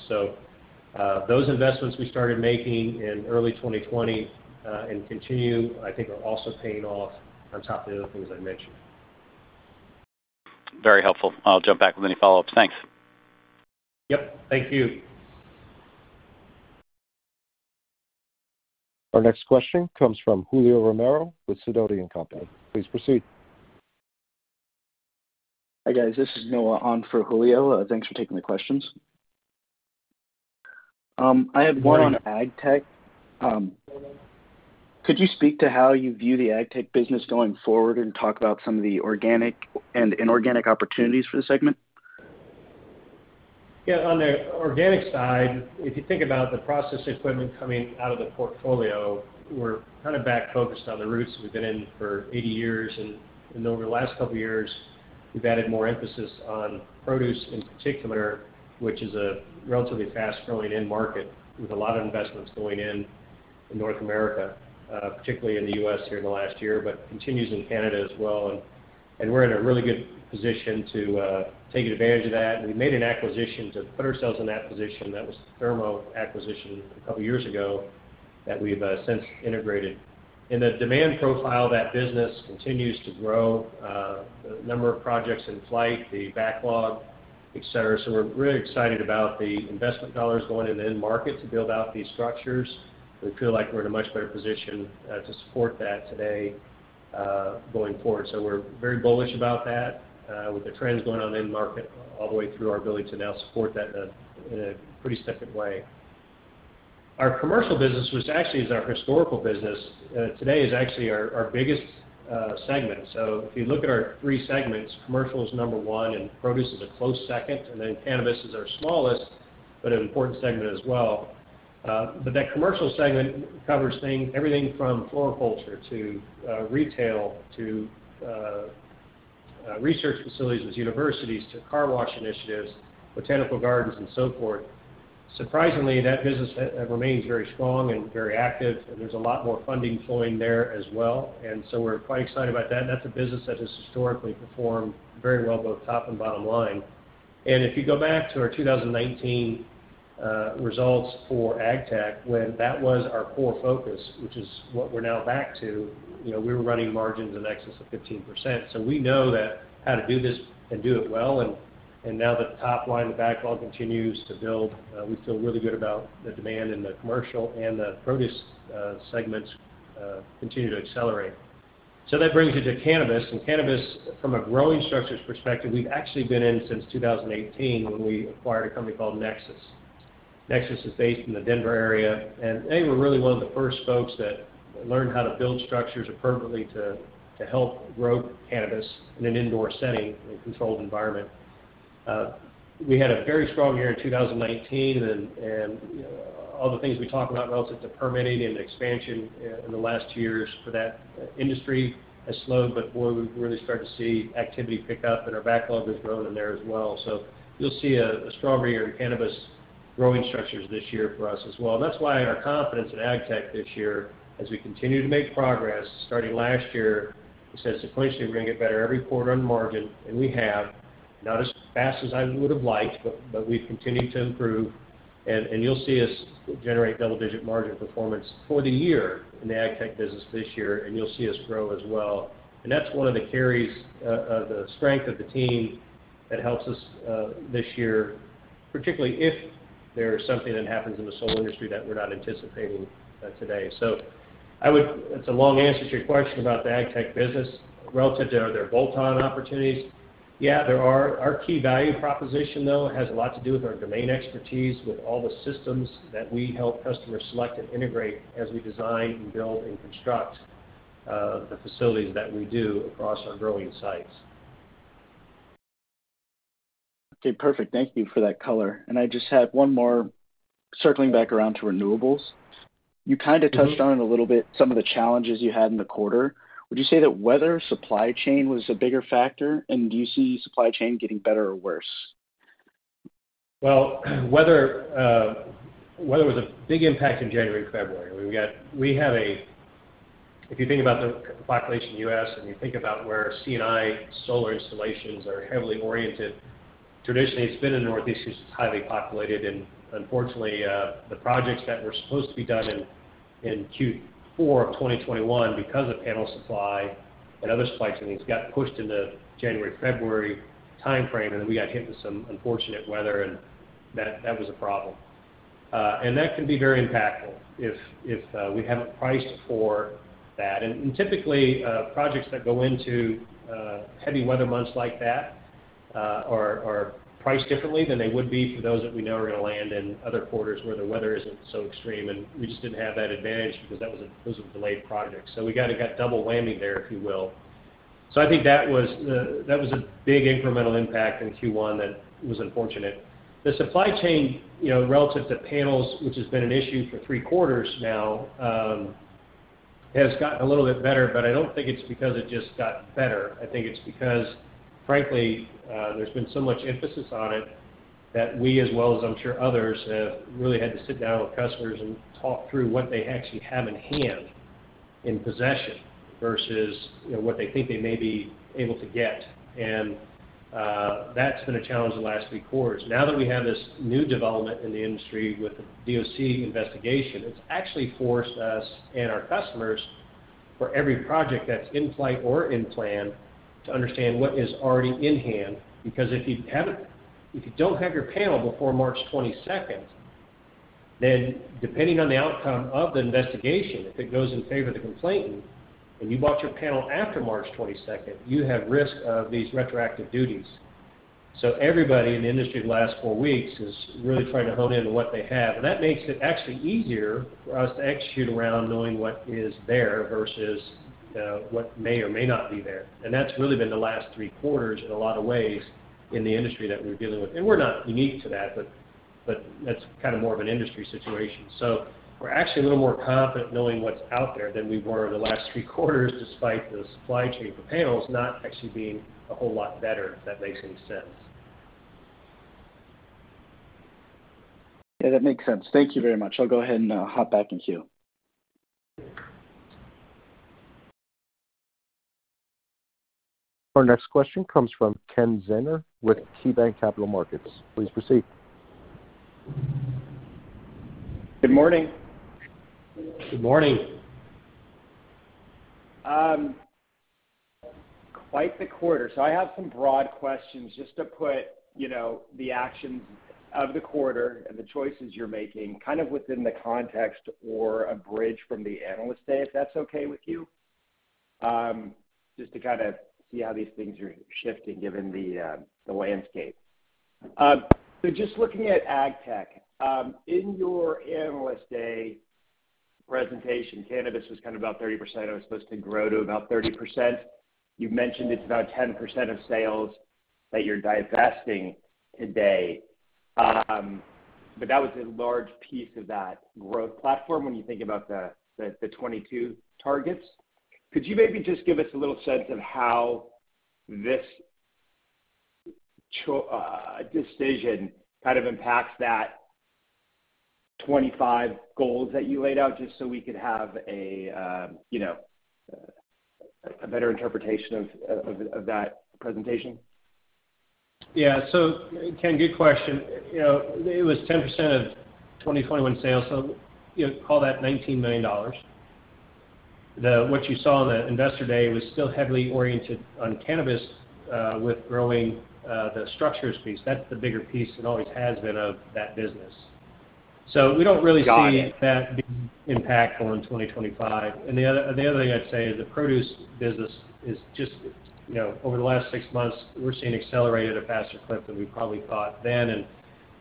Those investments we started making in early 2020 and continue, I think, are also paying off on top of the other things I mentioned. Very helpful. I'll jump back with any follow-ups. Thanks. Yep. Thank you. Our next question comes from Julio Romero with Sidoti & Company. Please proceed. Hi, guys. This is Noah on for Julio. Thanks for taking the questions. I had one on Agtech. Could you speak to how you view the Agtech business going forward and talk about some of the organic and inorganic opportunities for the segment? Yeah. On the organic side, if you think about the process equipment coming out of the portfolio, we're kind of back focused on the roots we've been in for 80 years. Over the last couple years, we've added more emphasis on produce in particular, which is a relatively fast growing end market with a lot of investments going in in North America, particularly in the U.S. here in the last year, but continues in Canada as well. We're in a really good position to take advantage of that. We made an acquisition to put ourselves in that position. That was the Thermo acquisition a couple years ago that we've since integrated. In the demand profile, that business continues to grow, the number of projects in flight, the backlog, et cetera. We're really excited about the investment dollars going in the end market to build out these structures. We feel like we're in a much better position to support that today, going forward. We're very bullish about that with the trends going on in market all the way through our ability to now support that in a pretty significant way. Our commercial business, which actually is our historical business, today is actually our biggest segment. If you look at our three segments, commercial is number one, and produce is a close second, and then cannabis is our smallest, but an important segment as well. That commercial segment covers everything from floriculture to retail to research facilities with universities to car wash initiatives, botanical gardens and so forth. Surprisingly, that business has remained very strong and very active, and there's a lot more funding flowing there as well. We're quite excited about that, and that's a business that has historically performed very well, both top and bottom line. If you go back to our 2019 results for Agtech, when that was our core focus, which is what we're now back to, you know, we were running margins in excess of 15%. We know how to do this and do it well, and now that the top line, the backlog continues to build, we feel really good about the demand in the commercial and the produce segments continue to accelerate. That brings me to cannabis. Cannabis from a growing structures perspective, we've actually been in since 2018 when we acquired a company called Nexus. Nexus is based in the Denver area, and they were really one of the first folks that learned how to build structures appropriately to help grow cannabis in an indoor setting in a controlled environment. We had a very strong year in 2019 and, you know, all the things we talked about relative to permitting and expansion in the last two years for that industry has slowed, but boy, we're really starting to see activity pick up and our backlog has grown in there as well. You'll see a stronger year in cannabis growing structures this year for us as well. That's why our confidence in Agtech this year as we continue to make progress starting last year. We said sequentially we're gonna get better every quarter on margin, and we have. Not as fast as I would've liked, but we've continued to improve. You'll see us generate double-digit margin performance for the year in the Agtech business this year, and you'll see us grow as well. That's one of the carries, the strength of the team that helps us, this year, particularly if there's something that happens in the solar industry that we're not anticipating, today. It's a long answer to your question about the Agtech business relative to are there bolt-on opportunities. Yeah, there are. Our key value proposition, though, has a lot to do with our domain expertise, with all the systems that we help customers select and integrate as we design and build and construct, the facilities that we do across our growing sites. Okay. Perfect. Thank you for that color. I just had one more circling back around to renewables. Mm-hmm. You kind of touched on it a little bit, some of the challenges you had in the quarter. Would you say that weather, supply chain was a bigger factor? Do you see supply chain getting better or worse? Well, weather was a big impact in January and February. If you think about the population in U.S. and you think about where C&I solar installations are heavily oriented, traditionally it's been in the Northeast because it's highly populated. Unfortunately, the projects that were supposed to be done in Q4 of 2021, because of panel supply and other supply chains got pushed into January, February timeframe, and then we got hit with some unfortunate weather, and that was a problem. That can be very impactful if we haven't priced for that. Typically, projects that go into heavy weather months like that are priced differently than they would be for those that we know are gonna land in other quarters where the weather isn't so extreme. We just didn't have that advantage because those were delayed projects. It got double whammy there, if you will. I think that was a big incremental impact in Q1 that was unfortunate. The supply chain, you know, relative to panels, which has been an issue for three quarters now, has gotten a little bit better, but I don't think it's because it just got better. I think it's because frankly, there's been so much emphasis on it that we, as well as I'm sure others, have really had to sit down with customers and talk through what they actually have in hand, in possession versus, you know, what they think they may be able to get. That's been a challenge the last three quarters. Now that we have this new development in the industry with the DOC investigation, it's actually forced us and our customers for every project that's in flight or in plan to understand what is already in hand because if you don't have your panel before March 22nd, then depending on the outcome of the investigation, if it goes in favor of the complainant and you bought your panel after March 22nd, you have risk of these retroactive duties. Everybody in the industry the last four weeks is really trying to hone in on what they have. That makes it actually easier for us to execute around knowing what is there versus, you know, what may or may not be there. That's really been the last three quarters in a lot of ways in the industry that we're dealing with. We're not unique to that, but that's kind of more of an industry situation. We're actually a little more confident knowing what's out there than we were the last three quarters despite the supply chain for panels not actually being a whole lot better, if that makes any sense. Yeah, that makes sense. Thank you very much. I'll go ahead and hop back in queue. Our next question comes from Ken Zener with KeyBanc Capital Markets. Please proceed. Good morning. Good morning. Quite the quarter. I have some broad questions just to put, you know, the actions of the quarter and the choices you're making kind of within the context or a bridge from the Analyst Day, if that's okay with you. Just to kind of see how these things are shifting given the landscape. Just looking at Agtech. In your Analyst Day presentation, cannabis was kind of about 30% or was supposed to grow to about 30%. You've mentioned it's about 10% of sales. That you're divesting today. That was a large piece of that growth platform when you think about the 2022 targets. Could you maybe just give us a little sense of how this decision kind of impacts that 25 goals that you laid out, just so we could have a you know a better interpretation of that presentation? Yeah. Ken, good question. You know, it was 10% of 2021 sales, so you know, call that $19 million. What you saw on the Investor Day was still heavily oriented on cannabis, with growing, the structures piece. That's the bigger piece and always has been of that business. We don't really see- Got it. That being impactful in 2025. The other thing I'd say is the produce business is just, you know, over the last six months, we're seeing accelerated at a faster clip than we probably thought then,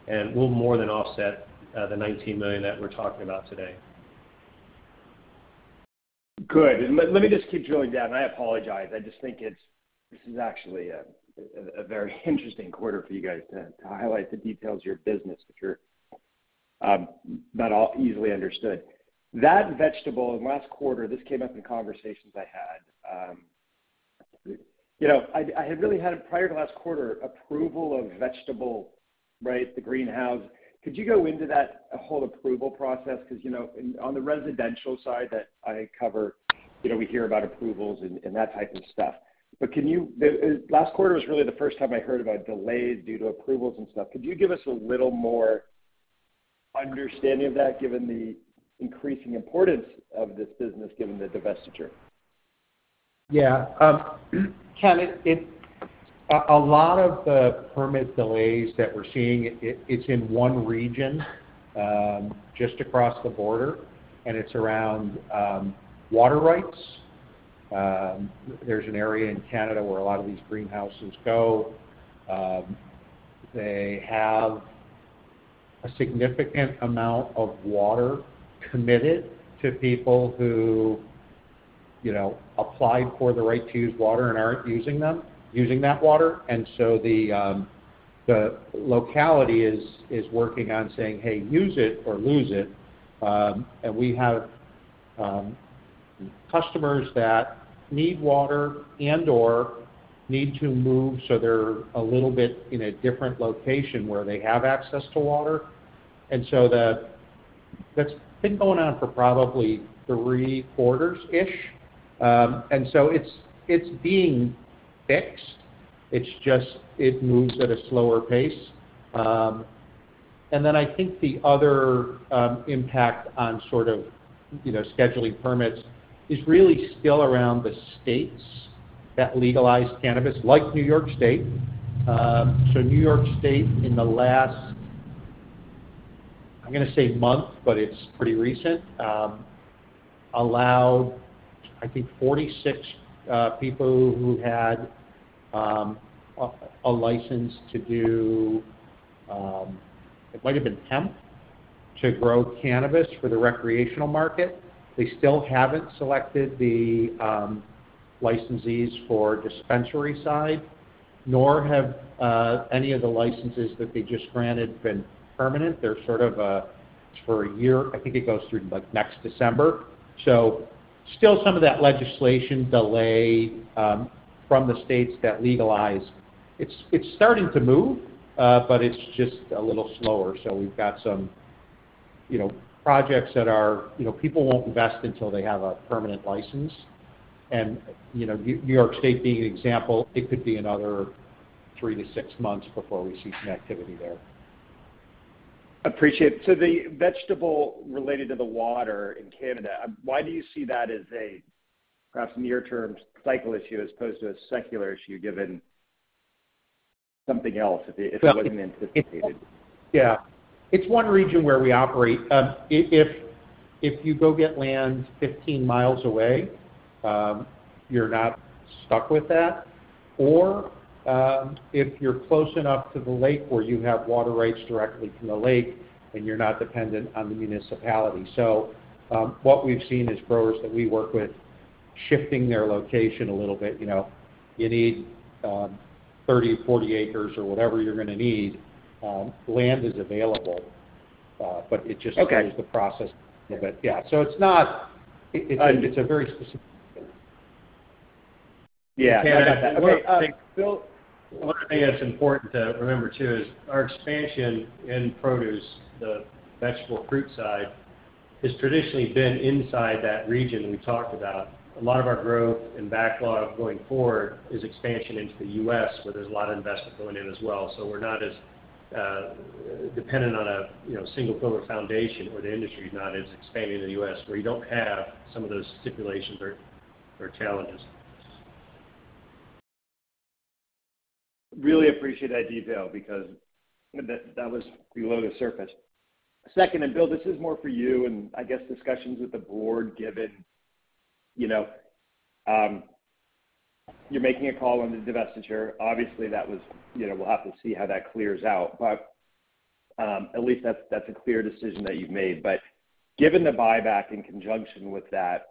and we'll more than offset the $19 million that we're talking about today Good. Let me just keep drilling down. I apologize. I just think it's this is actually a very interesting quarter for you guys to highlight the details of your business, which are not all easily understood. That vegetable in last quarter, this came up in conversations I had. You know, I really had prior to last quarter approval of vegetable, right? The greenhouse. Could you go into that whole approval process? Because, you know, on the residential side that I cover, you know, we hear about approvals and that type of stuff. The last quarter was really the first time I heard about delays due to approvals and stuff. Could you give us a little more understanding of that given the increasing importance of this business given the divestiture? Yeah. Ken, a lot of the permit delays that we're seeing, it's in one region, just across the border, and it's around water rights. There's an area in Canada where a lot of these greenhouses go. They have a significant amount of water committed to people who, you know, applied for the right to use water and aren't using that water. The locality is working on saying, "Hey, use it or lose it." We have customers that need water and/or need to move, so they're a little bit in a different location where they have access to water. That's been going on for probably three quarters-ish. It's being fixed. It's just it moves at a slower pace. I think the other impact on sort of, you know, scheduling permits is really still around the states that legalize cannabis, like New York State. New York State in the last, I'm gonna say month, but it's pretty recent, allowed I think 46 people who had a license to do, it might have been hemp, to grow cannabis for the recreational market. They still haven't selected the licensees for dispensary side, nor have any of the licenses that they just granted been permanent. They're sort of a, it's for a year, I think it goes through, like, next December. Still some of that legislation delay from the states that legalize. It's starting to move, but it's just a little slower. We've got some, you know, projects that are, you know, people won't invest until they have a permanent license. You know, New York State being an example, it could be another three to six months before we see some activity there. Appreciate it. So the vegetable related to the water in Canada, why do you see that as a perhaps near-term cycle issue as opposed to a secular issue given something else if it wasn't anticipated? Yeah. It's one region where we operate. If you go get land 15 miles away, you're not stuck with that. If you're close enough to the lake where you have water rights directly from the lake, then you're not dependent on the municipality. What we've seen is growers that we work with shifting their location a little bit, you know. You need 30 or 40 acres or whatever you're gonna need. Land is available, but it just. Okay Delays the process a little bit. Yeah. It's not. It's a very specific thing. Yeah. I got that. Okay. One thing that's important to remember too is our expansion in produce, the vegetable-fruit side, has traditionally been inside that region we talked about. A lot of our growth and backlog going forward is expansion into the U.S., where there's a lot of investment going in as well. We're not as dependent on a, you know, single pillar foundation or the industry is not as expanding in the U.S., where you don't have some of those stipulations or challenges. really appreciate that detail because that was below the surface. Second, Bill, this is more for you and I guess discussions with the board given you're making a call on the divestiture. Obviously, we'll have to see how that clears out. At least that's a clear decision that you've made. Given the buyback in conjunction with that,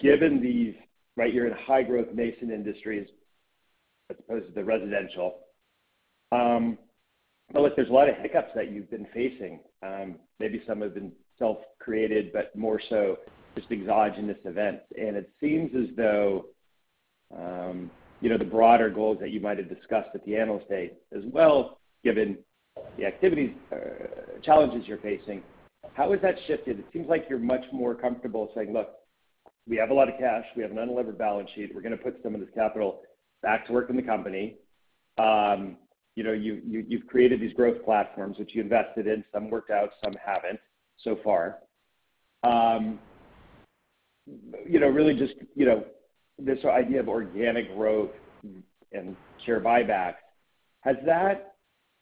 given these, right, you're in high growth nascent industries as opposed to the residential, but look, there's a lot of hiccups that you've been facing. Maybe some have been self-created, but more so just exogenous events. It seems as though the broader goals that you might have discussed at the analyst day as well, given the activities, challenges you're facing, how has that shifted? It seems like you're much more comfortable saying, "Look, we have a lot of cash. We have an unlevered balance sheet. We're gonna put some of this capital back to work in the company." You know, you've created these growth platforms which you invested in. Some worked out, some haven't so far. You know, really just, you know, this idea of organic growth and share buyback, has that,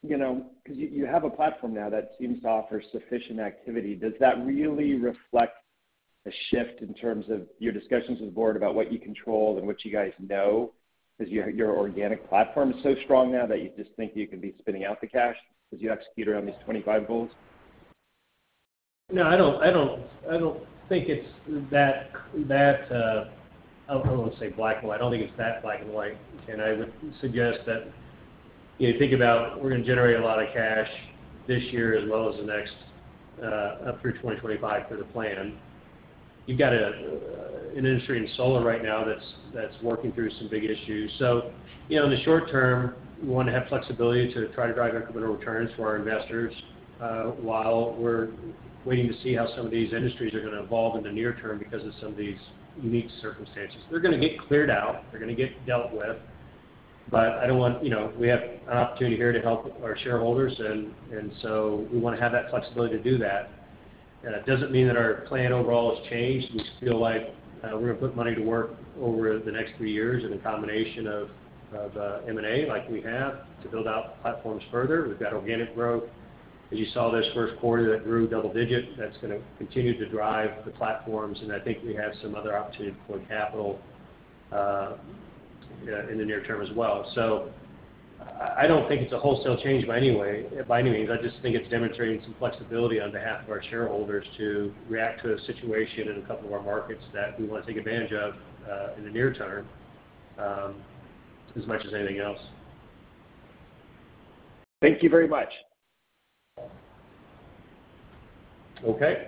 you know 'cause you have a platform now that seems to offer sufficient activity. Does that really reflect a shift in terms of your discussions with the board about what you control and what you guys know? Is your organic platform so strong now that you just think you can be spinning out the cash as you execute around these 25 goals? No, I don't think it's that. I don't wanna say black and white. I don't think it's that black and white. I would suggest that you think about we're gonna generate a lot of cash this year as well as the next, up through 2025 for the plan. You've got an industry in solar right now that's working through some big issues. You know, in the short term, we wanna have flexibility to try to drive incremental returns for our investors, while we're waiting to see how some of these industries are gonna evolve in the near term because of some of these unique circumstances. They're gonna get cleared out, they're gonna get dealt with, but I don't want, you know, we have an opportunity here to help our shareholders and so we wanna have that flexibility to do that. It doesn't mean that our plan overall has changed. We feel like we're gonna put money to work over the next three years in a combination of M&A like we have to build out platforms further. We've got organic growth. As you saw this first quarter that grew double digit, that's gonna continue to drive the platforms, and I think we have some other opportunities to deploy capital in the near term as well. I don't think it's a wholesale change by any way, by any means. I just think it's demonstrating some flexibility on behalf of our shareholders to react to a situation in a couple of our markets that we wanna take advantage of, in the near term, as much as anything else. Thank you very much. Okay.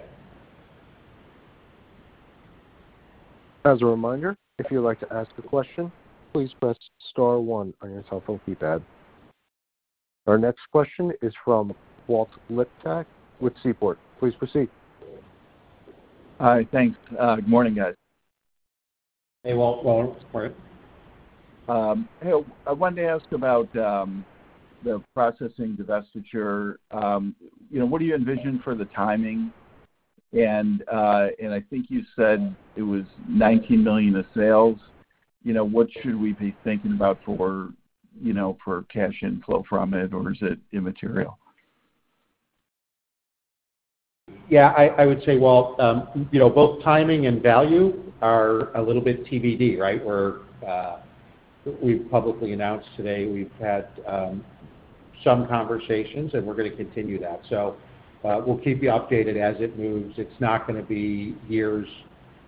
As a reminder, if you would like to ask a question, please press star one on your telephone keypad. Our next question is from Walt Liptak with Seaport. Please proceed. Hi. Thanks. Good morning, guys. Hey, Walt. Morning. Hey, I wanted to ask about the processing divestiture. You know, what do you envision for the timing? I think you said it was $19 million of sales. You know, what should we be thinking about for, you know, for cash inflow from it, or is it immaterial? Yeah, I would say, Walt, you know, both timing and value are a little bit TBD, right? We've publicly announced today we've had some conversations, and we're gonna continue that. We'll keep you updated as it moves. It's not gonna be years,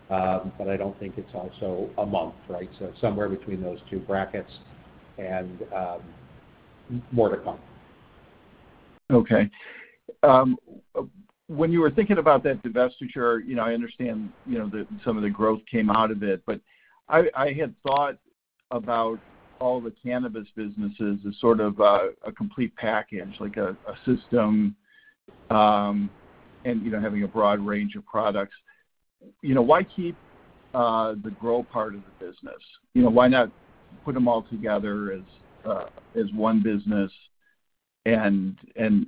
but I don't think it's also a month, right? Somewhere between those two brackets and more to come. Okay. When you were thinking about that divestiture, you know, I understand, you know, some of the growth came out of it, but I had thought about all the cannabis businesses as sort of a complete package, like a system, and, you know, having a broad range of products. You know, why keep the grow part of the business? You know, why not put them all together as one business and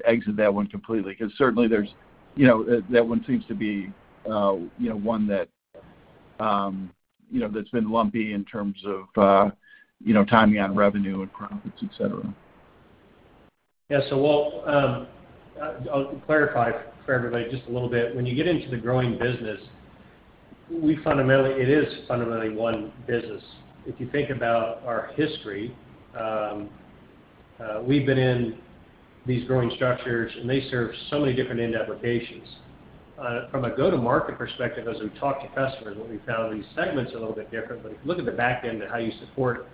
exit that one completely? 'Cause certainly there's, you know, that one seems to be, you know, one that, you know, that's been lumpy in terms of, you know, timing on revenue and profits, et cetera. Yeah. Walt, I'll clarify for everybody just a little bit. When you get into the growing business, it is fundamentally one business. If you think about our history, we've been in these growing structures, and they serve so many different end applications. From a go-to-market perspective, as we've talked to customers, what we found these segments a little bit differently. Look at the back end of how you support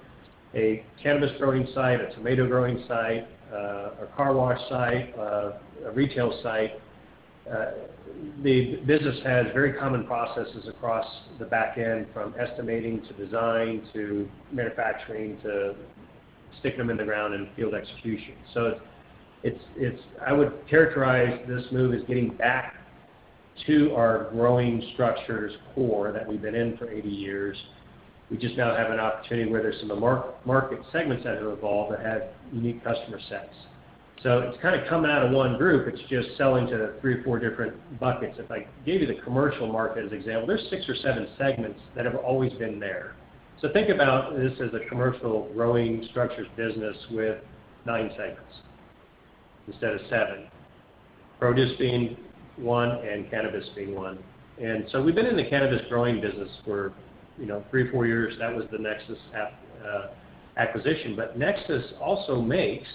a cannabis growing site, a tomato growing site, a car wash site, a retail site. The business has very common processes across the back end, from estimating to design to manufacturing to sticking them in the ground and field execution. I would characterize this move as getting back to our growing structures core that we've been in for 80 years. We just now have an opportunity where there's some market segments that have evolved that have unique customer sets. It's kind of coming out of one group. It's just selling to three or four different buckets. If I gave you the commercial market as example, there's six or seven segments that have always been there. Think about this as a commercial growing structures business with nine segments instead of seven. Produce being one and cannabis being one. We've been in the cannabis growing business for, you know, three, four years. That was the Nexus acquisition. Nexus also makes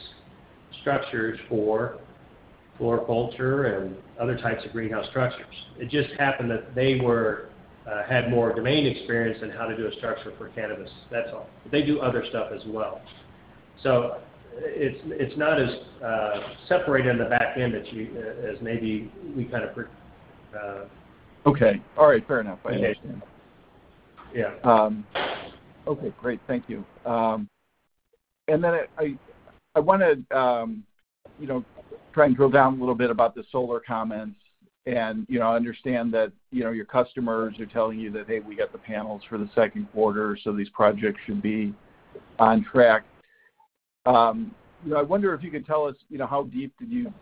structures for floriculture and other types of greenhouse structures. It just happened that they had more domain experience in how to do a structure for cannabis, that's all. They do other stuff as well. It's not as separated in the back end as you as maybe we kind of pre Okay. All right. Fair enough. Yeah. I understand. Yeah. Okay, great. Thank you. I wanna, you know, try and drill down a little bit about the solar comments and, you know, understand that, you know, your customers are telling you that, "Hey, we got the panels for the second quarter, so these projects should be on track." You know, I wonder if you could tell us, you know, how deep did you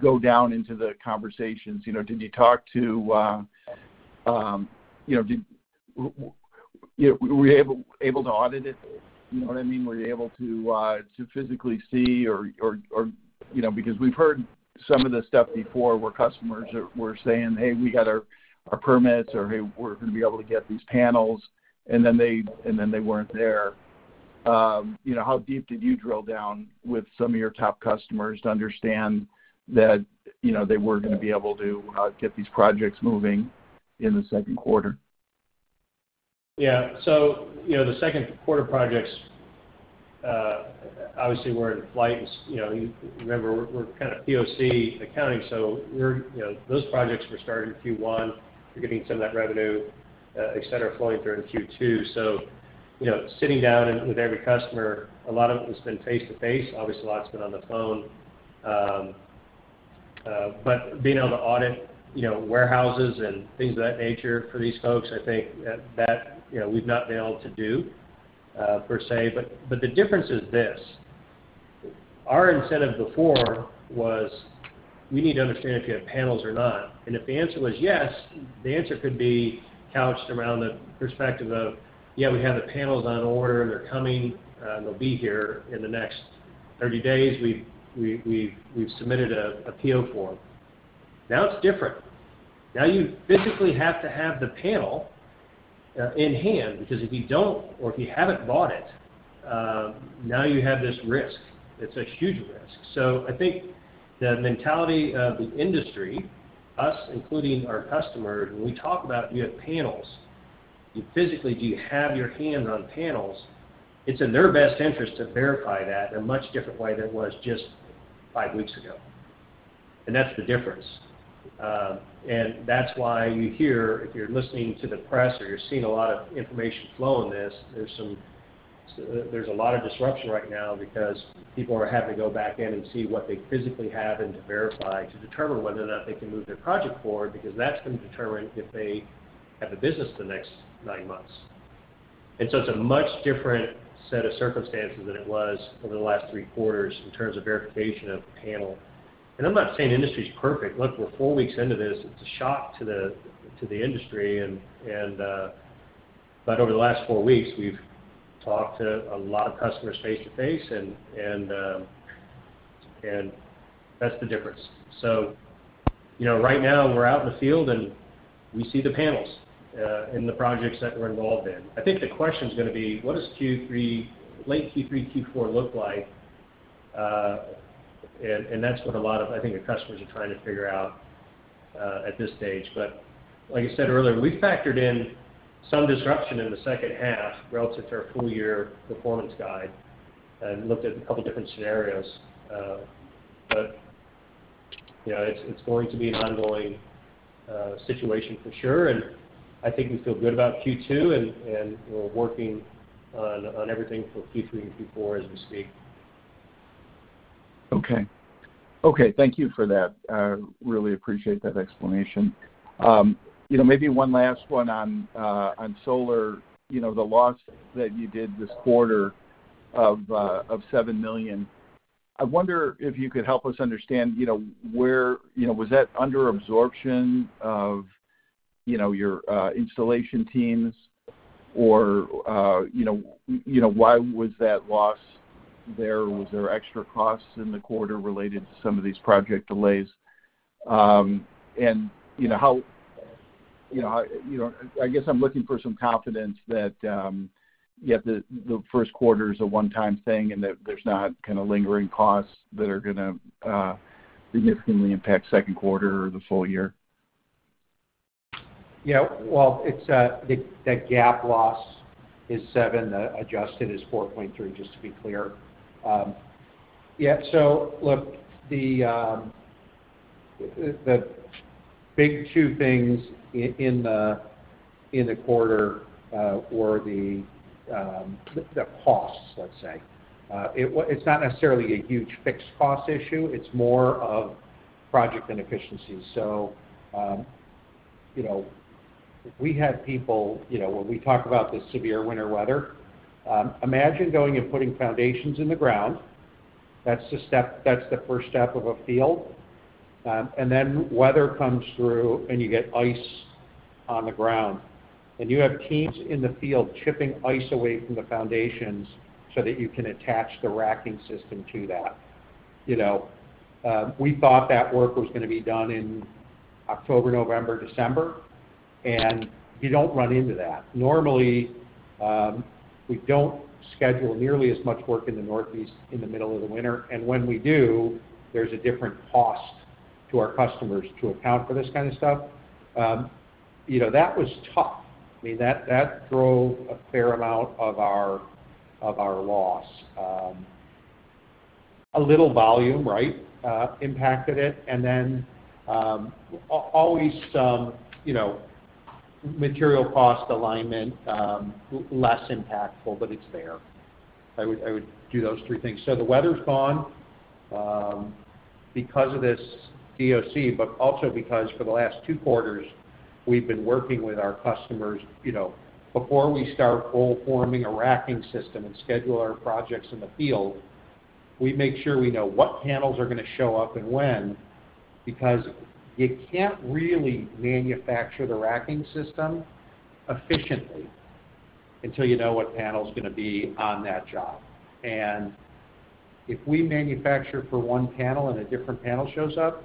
go down into the conversations. You know, did you talk to, you know, were you able to audit it? You know what I mean? Were you able to physically see or. You know, because we've heard some of this stuff before where customers were saying, "Hey, we got our permits," or, "Hey, we're gonna be able to get these panels," and then they weren't there. You know, how deep did you drill down with some of your top customers to understand that, you know, they were gonna be able to get these projects moving in the second quarter? Yeah. The second quarter projects obviously were in flight. You know, you remember we're kind of POC accounting, so you know, those projects were starting Q1. We're getting some of that revenue et cetera flowing through in Q2. Sitting down with every customer, a lot of it has been face-to-face. Obviously, a lot's been on the phone. Being able to audit you know, warehouses and things of that nature for these folks, I think that you know, we've not been able to do per se. The difference is this. Our incentive before was we need to understand if you have panels or not. If the answer was yes, the answer could be couched around the perspective of, "Yeah, we have the panels on order, and they're coming, and they'll be here in the next 30 days. We've submitted a PO form." Now it's different. Now you physically have to have the panel in hand because if you don't or if you haven't bought it, now you have this risk. It's a huge risk. So I think the mentality of the industry, us including our customers, when we talk about do you have panels, you physically do have your hand on panels, it's in their best interest to verify that in a much different way than it was just five weeks ago, and that's the difference. That's why you hear, if you're listening to the press or you're seeing a lot of information flow on this, there's a lot of disruption right now because people are having to go back in and see what they physically have and to verify to determine whether or not they can move their project forward because that's gonna determine if they have a business the next nine months. It's a much different set of circumstances than it was over the last three quarters in terms of verification of the panel. I'm not saying the industry's perfect. Look, we're four weeks into this. It's a shock to the industry, but over the last four weeks we've talked to a lot of customers face-to-face, and that's the difference. You know, right now we're out in the field and we see the panels in the projects that we're involved in. I think the question's gonna be what does Q3, late Q3, Q4 look like? That's what a lot of, I think, our customers are trying to figure out at this stage. Like I said earlier, we factored in some disruption in the second half relative to our full-year performance guide and looked at a couple different scenarios. You know, it's going to be an ongoing situation for sure, and I think we feel good about Q2 and we're working on everything for Q3 and Q4 as we speak. Okay, thank you for that. I really appreciate that explanation. You know, maybe one last one on solar. You know, the loss that you did this quarter of $7 million, I wonder if you could help us understand, you know, where was that under absorption of your installation teams or you know why was that loss there? Was there extra costs in the quarter related to some of these project delays? And you know, how I guess I'm looking for some confidence that yeah, the first quarter's a one-time thing and that there's not kinda lingering costs that are gonna significantly impact second quarter or the full-year. Yeah. Well, it's the GAAP loss is $7. The adjusted is $4.3, just to be clear. Yeah, so look, the big two things in the quarter were the costs, let's say. It's not necessarily a huge fixed cost issue, it's more of project inefficiencies. You know, if we had people, you know, when we talk about the severe winter weather, imagine going and putting foundations in the ground. That's the first step of a field. Then weather comes through and you get ice. On the ground. You have teams in the field chipping ice away from the foundations so that you can attach the racking system to that. We thought that work was gonna be done in October, November, December, and you don't run into that. Normally, we don't schedule nearly as much work in the Northeast in the middle of the winter, and when we do, there's a different cost to our customers to account for this kinda stuff. That was tough. I mean, that drove a fair amount of our loss. A little volume, right, impacted it. Then, always some, you know, material cost alignment, less impactful, but it's there. I would do those three things. The weather's gone, because of this DOC, but also because for the last two quarters, we've been working with our customers. You know, before we start hole forming a racking system and schedule our projects in the field, we make sure we know what panels are gonna show up and when, because you can't really manufacture the racking system efficiently until you know what panel's gonna be on that job. If we manufacture for one panel and a different panel shows up,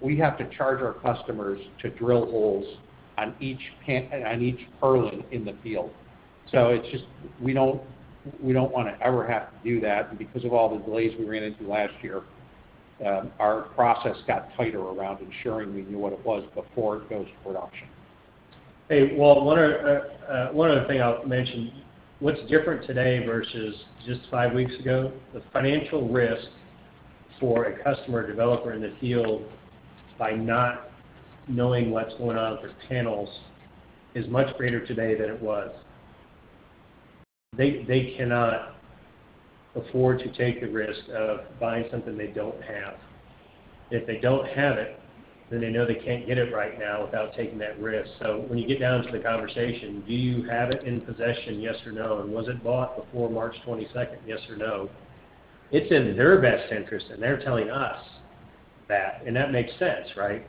we have to charge our customers to drill holes on each purlin in the field. We don't wanna ever have to do that. Because of all the delays we ran into last year, our process got tighter around ensuring we knew what it was before it goes to production. Hey, Walt, one other thing I'll mention. What's different today versus just five weeks ago, the financial risk for a customer or developer in the field, by not knowing what's going on with their panels, is much greater today than it was. They cannot afford to take the risk of buying something they don't have. If they don't have it, then they know they can't get it right now without taking that risk. When you get down to the conversation, do you have it in possession, yes or no, and was it bought before March 22nd, yes or no, it's in their best interest, and they're telling us that, and that makes sense, right?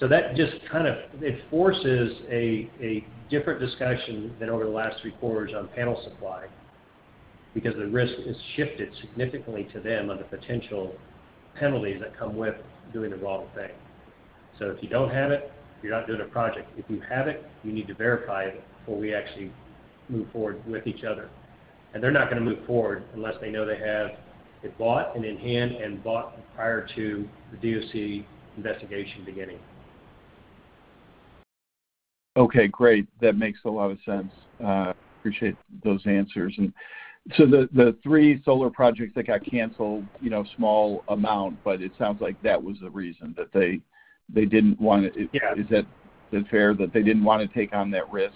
That just kind of. It forces a different discussion than over the last three quarters on panel supply, because the risk has shifted significantly to them on the potential penalties that come with doing the wrong thing. If you don't have it, you're not doing a project. If you have it, you need to verify it before we actually move forward with each other. They're not gonna move forward unless they know they have it bought and in hand and bought prior to the DOC investigation beginning. Okay, great. That makes a lot of sense. Appreciate those answers. The three solar projects that got canceled, you know, small amount, but it sounds like that was the reason, that they didn't wanna. Yeah. Is that fair? That they didn't wanna take on that risk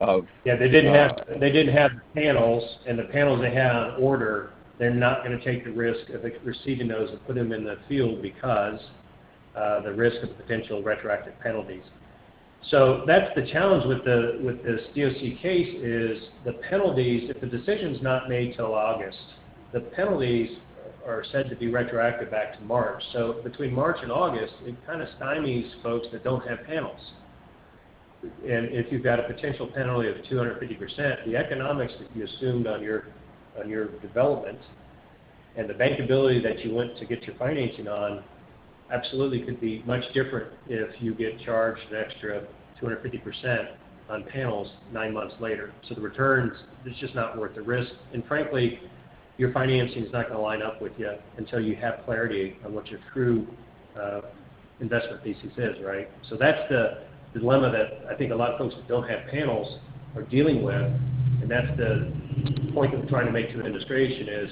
of, Yeah, they didn't have the panels, and the panels they had on order, they're not gonna take the risk of receiving those and put them in the field because the risk of potential retroactive penalties. That's the challenge with this DOC case is the penalties. If the decision's not made till August, the penalties are said to be retroactive back to March. Between March and August, it kinda stymies folks that don't have panels. If you've got a potential penalty of 250%, the economics that you assumed on your development and the bankability that you went to get your financing on absolutely could be much different if you get charged an extra 250% on panels nine months later. The returns, it's just not worth the risk. Frankly, your financing is not gonna line up with you until you have clarity on what your true investment thesis is, right? That's the dilemma that I think a lot of folks that don't have panels are dealing with. That's the point that we're trying to make to administration is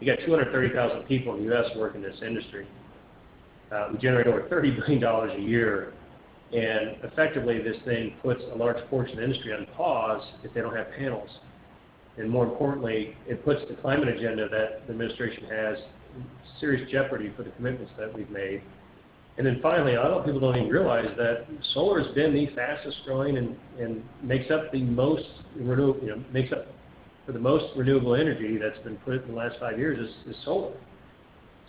you got 230,000 people in the U.S. working in this industry. We generate over $30 billion a year. Effectively, this thing puts a large portion of the industry on pause if they don't have panels. More importantly, it puts the climate agenda that the administration has in serious jeopardy for the commitments that we've made. Finally, a lot of people don't even realize that solar's been the fastest-growing and makes up the most, you know, makes up for the most renewable energy that's been put in the last five years is solar.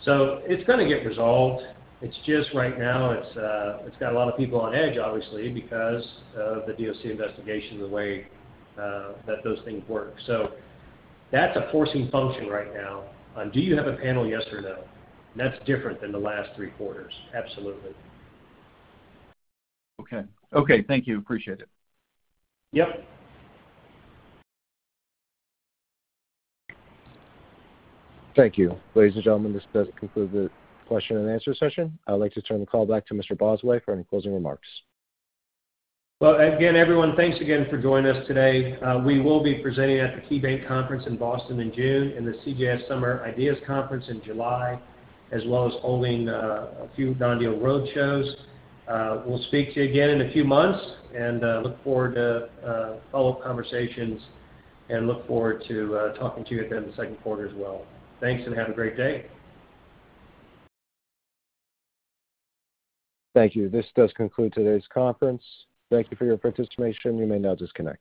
It's gonna get resolved. It's just right now, it's got a lot of people on edge, obviously, because of the DOC investigation, the way that those things work. That's a forcing function right now on do you have a panel, yes or no? That's different than the last three quarters. Absolutely. Okay, thank you. Appreciate it. Yep. Thank you. Ladies and gentlemen, this does conclude the question and answer session. I would like to turn the call back to Mr. Bosway for any closing remarks. Well, again, everyone, thanks again for joining us today. We will be presenting at the KeyBanc Conference in Boston in June and the CJS Summer Ideas Conference in July, as well as holding a few non-deal roadshows. We'll speak to you again in a few months and look forward to follow-up conversations and look forward to talking to you again in the second quarter as well. Thanks, and have a great day. Thank you. This does conclude today's conference. Thank you for your participation. You may now disconnect.